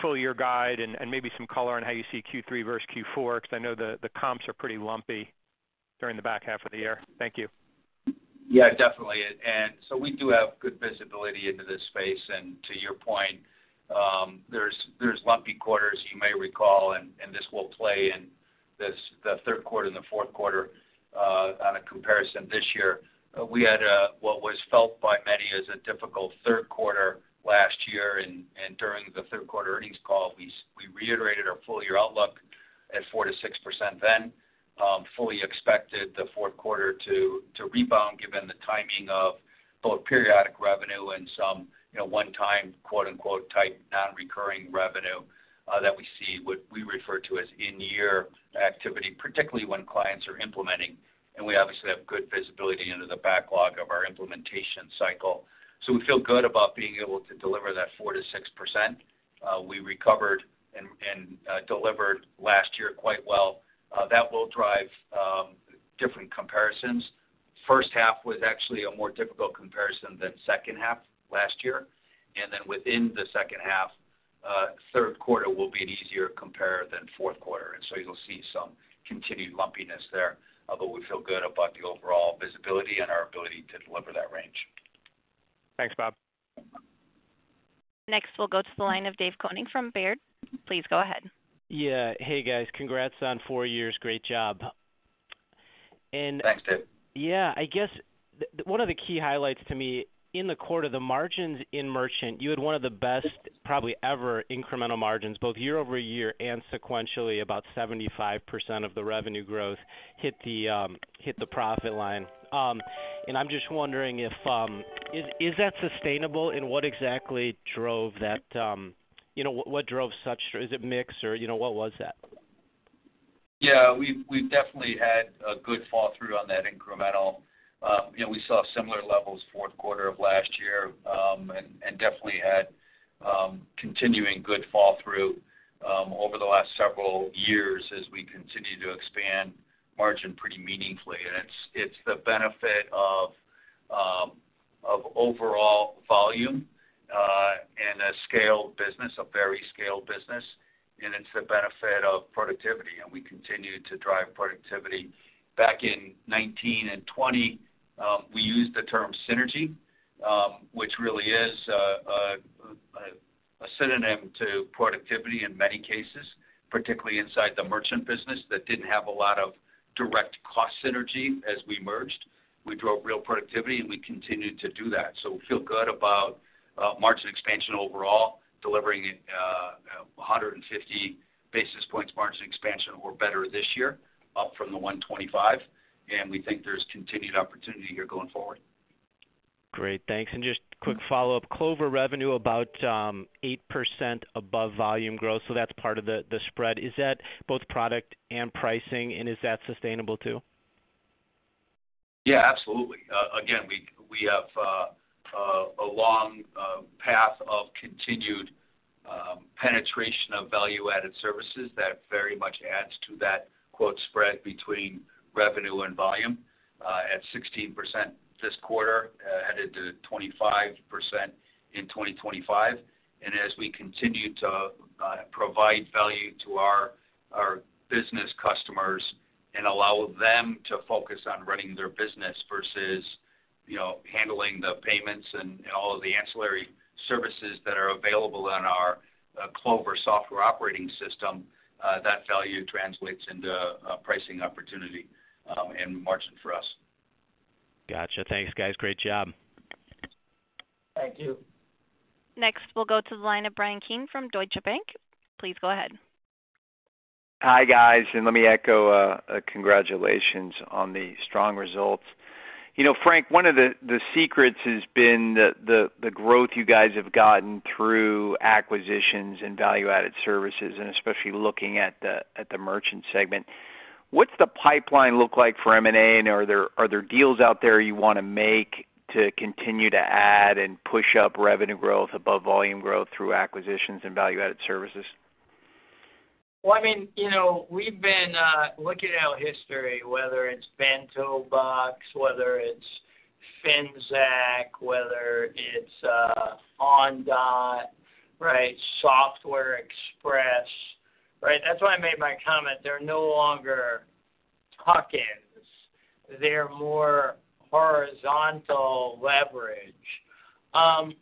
full year guide and maybe some color on how you see Q3 versus Q4, because I know the comps are pretty lumpy during the back half of the year? Thank you. Yeah, definitely. We do have good visibility into this space, and to your point, there's lumpy quarters you may recall, and this will play in the Q3 and the Q4 on a comparison this year. We had what was felt by many as a difficult Q3 last year, and during the Q3 earnings call, we reiterated our full year outlook at 4% to 6% then, fully expected the Q4 to rebound, given the timing of both periodic revenue and some, you know, one-time, quote, unquote, "type non-recurring revenue," that we see, what we refer to as in-year activity, particularly when clients are implementing. We obviously have good visibility into the backlog of our implementation cycle. We feel good about being able to deliver that 4% to 6%. We recovered and delivered last year quite well. That will drive different comparisons. H1 was actually a more difficult comparison than H2 last year, and then within the H2, Q3 will be an easier compare than Q4. You'll see some continued lumpiness there, although we feel good about the overall visibility and our ability to deliver that range. Thanks, Bob. Next, we'll go to the line of Dave Koning from Baird. Please go ahead. Yeah. Hey, guys. Congrats on four years. Great job. Thanks, Dave. I guess one of the key highlights to me in the quarter, the margins in merchant, you had one of the best, probably ever, incremental margins, both year-over-year and sequentially, about 75% of the revenue growth hit the profit line. I'm just wondering if that sustainable, and what exactly drove that, you know, what drove such? Is it mix or, you know, what was that? Yeah, we've definitely had a good fall through on that incremental. You know, we saw similar levels Q4 of last year, and definitely had continuing good fall through over the last several years as we continue to expand margin pretty meaningfully. It's the benefit of overall volume and a scaled business, a very scaled business, and it's the benefit of productivity, and we continue to drive productivity. Back in 2019 and 2020, we used the term synergy, which really is a synonym to productivity in many cases, particularly inside the merchant business, that didn't have a lot of direct cost synergy as we merged. We drove real productivity, and we continued to do that. We feel good about margin expansion overall, delivering 150 basis points margin expansion or better this year, up from the 125, and we think there's continued opportunity here going forward. Great, thanks. Just quick follow-up. Clover revenue about 8% above volume growth, so that's part of the spread. Is that both product and pricing? Is that sustainable too? Yeah, absolutely. Again, we have a long path of continued penetration of value-added services, that very much adds to that quote spread between revenue and volume, at 16% this quarter, headed to 25% in 2025. As we continue to provide value to our business customers and allow them to focus on running their business versus, you know, handling the payments and all of the ancillary services that are available on our Clover software operating system, that value translates into a pricing opportunity and margin for us. Gotcha. Thanks, guys. Great job. Thank you. Next, we'll go to the line of Bryan Keane from Deutsche Bank. Please go ahead. Hi, guys. Let me echo a congratulations on the strong results. You know, Frank, one of the secrets has been the growth you guys have gotten through acquisitions and value-added services, and especially looking at the merchant segment. What's the pipeline look like for M&A? Are there deals out there you wanna make to continue to add and push up revenue growth above volume growth through acquisitions and value-added services? Well, I mean, you know, we've been looking at our history, whether it's BentoBox, whether it's Finxact, whether it's Ondot, right? Software Express, right? That's why I made my comment. They're no longer tuck-ins. They're more horizontal leverage.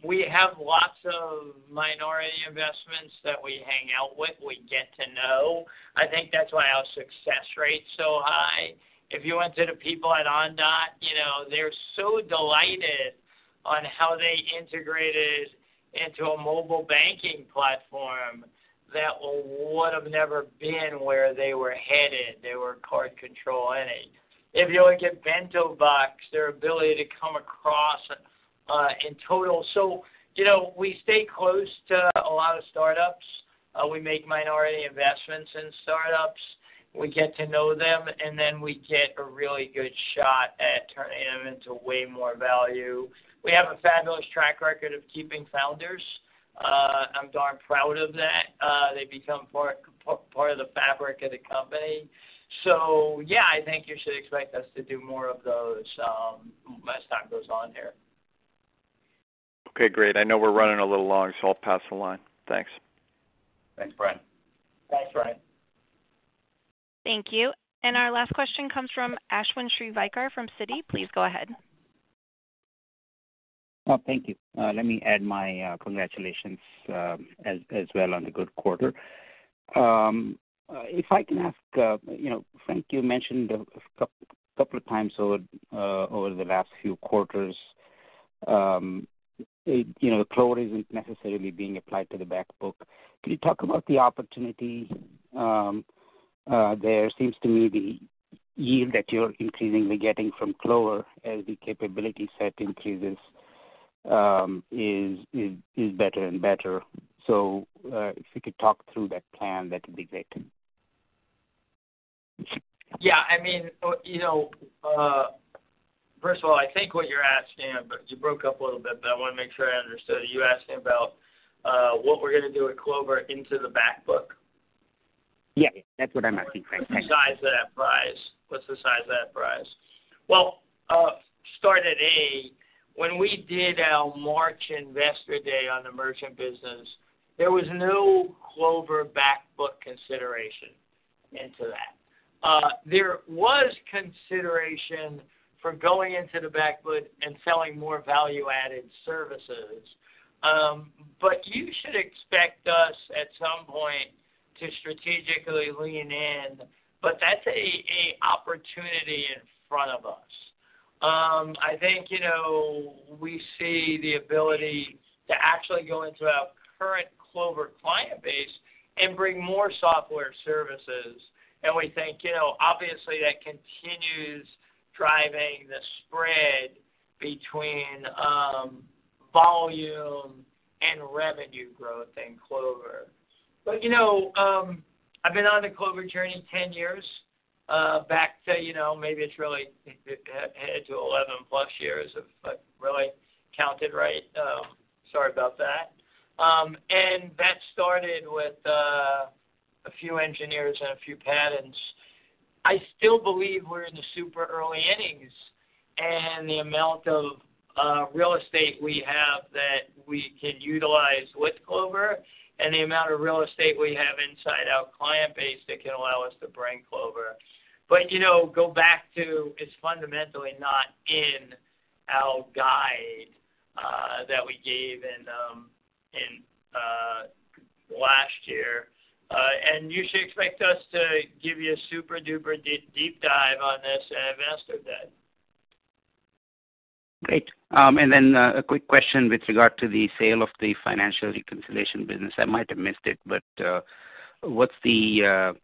We have lots of minority investments that we hang out with, we get to know. I think that's why our success rate's so high. If you went to the people at Ondot, you know, they're so delighted on how they integrated into a mobile banking platform that would've never been where they were headed. They were card control, anyway. If you look at BentoBox, their ability to come across in total. You know, we stay close to a lot of startups. We make minority investments in startups. We get to know them, and then we get a really good shot at turning them into way more value. We have a fabulous track record of keeping founders. I'm darn proud of that. They become part of the fabric of the company. Yeah, I think you should expect us to do more of those as time goes on here. Okay, great. I know we're running a little long, so I'll pass the line. Thanks. Thanks, Bryan. Thanks, Bryan. Thank you. Our last question comes from Ashwin Shirvaikar from Citi. Please go ahead. Well, thank you. Let me add my congratulations as well on the good quarter. If I can ask, you know, Frank, you mentioned a couple of times over the last few quarters, it, you know, Clover isn't necessarily being applied to the back book. Can you talk about the opportunity? There seems to me the yield that you're increasingly getting from Clover as the capability set increases, is better and better. If you could talk through that plan, that'd be great. I mean, you know, first of all, I think what you're asking, but you broke up a little bit, but I wanna make sure I understood it. You're asking about what we're gonna do with Clover into the back book? Yes, that's what I'm asking. What's the size of that prize? Well, start at A. When we did our March Investor Day on the merchant business, there was no Clover back book consideration into that. There was consideration for going into the back book and selling more value-added services. You should expect us, at some point, to strategically lean in, but that's a opportunity in front of us. I think, you know, we see the ability to actually go into our current Clover client base and bring more software services. We think, you know, obviously, that continues driving the spread between, volume and revenue growth in Clover. You know, I've been on the Clover journey 10 years, back to, you know, maybe it's really headed to 11 plus years, if I've really counted right, sorry about that. That started with a few engineers and a few patents. I still believe we're in the super early innings, and the amount of real estate we have that we can utilize with Clover and the amount of real estate we have inside our client base that can allow us to bring Clover. You know, go back to it's fundamentally not in our guide that we gave in last year. You should expect us to give you a super-duper deep dive on this at Investor Day. Great. A quick question with regard to the sale of the financial reconciliation business. I might have missed it, but what's the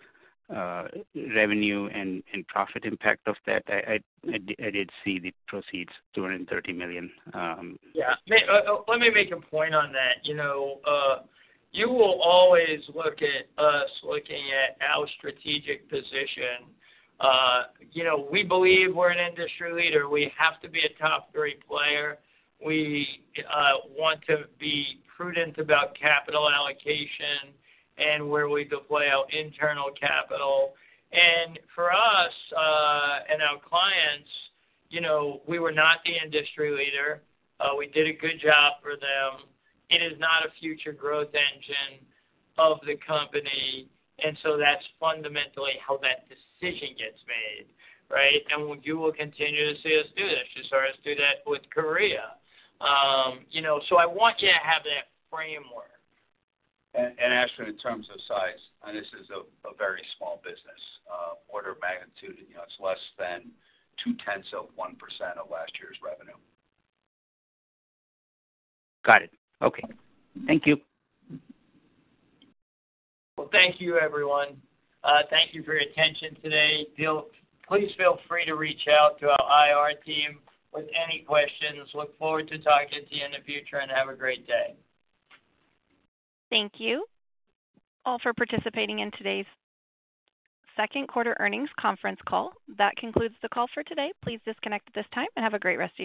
revenue and profit impact of that? I did see the proceeds, $230 million. Yeah. Let me make a point on that. You know, you will always look at us looking at our strategic position. You know, we believe we're an industry leader. We have to be a top three player. We want to be prudent about capital allocation and where we deploy our internal capital. For us, and our clients, you know, we were not the industry leader. We did a good job for them. It is not a future growth engine of the company. That's fundamentally how that decision gets made, right? You will continue to see us do this. You saw us do that with Korea. You know, so I want you to have that framework. Ashwin, in terms of size, and this is a very small business, order of magnitude, and, you know, it's less than 0.2 of 1% of last year's revenue. Got it. Okay. Thank you. Well, thank you, everyone. Thank you for your attention today. Please feel free to reach out to our IR team with any questions. Look forward to talking to you in the future, have a great day. Thank you all for participating in today's Q2 earnings conference call. That concludes the call for today. Please disconnect at this time. Have a great rest of your day.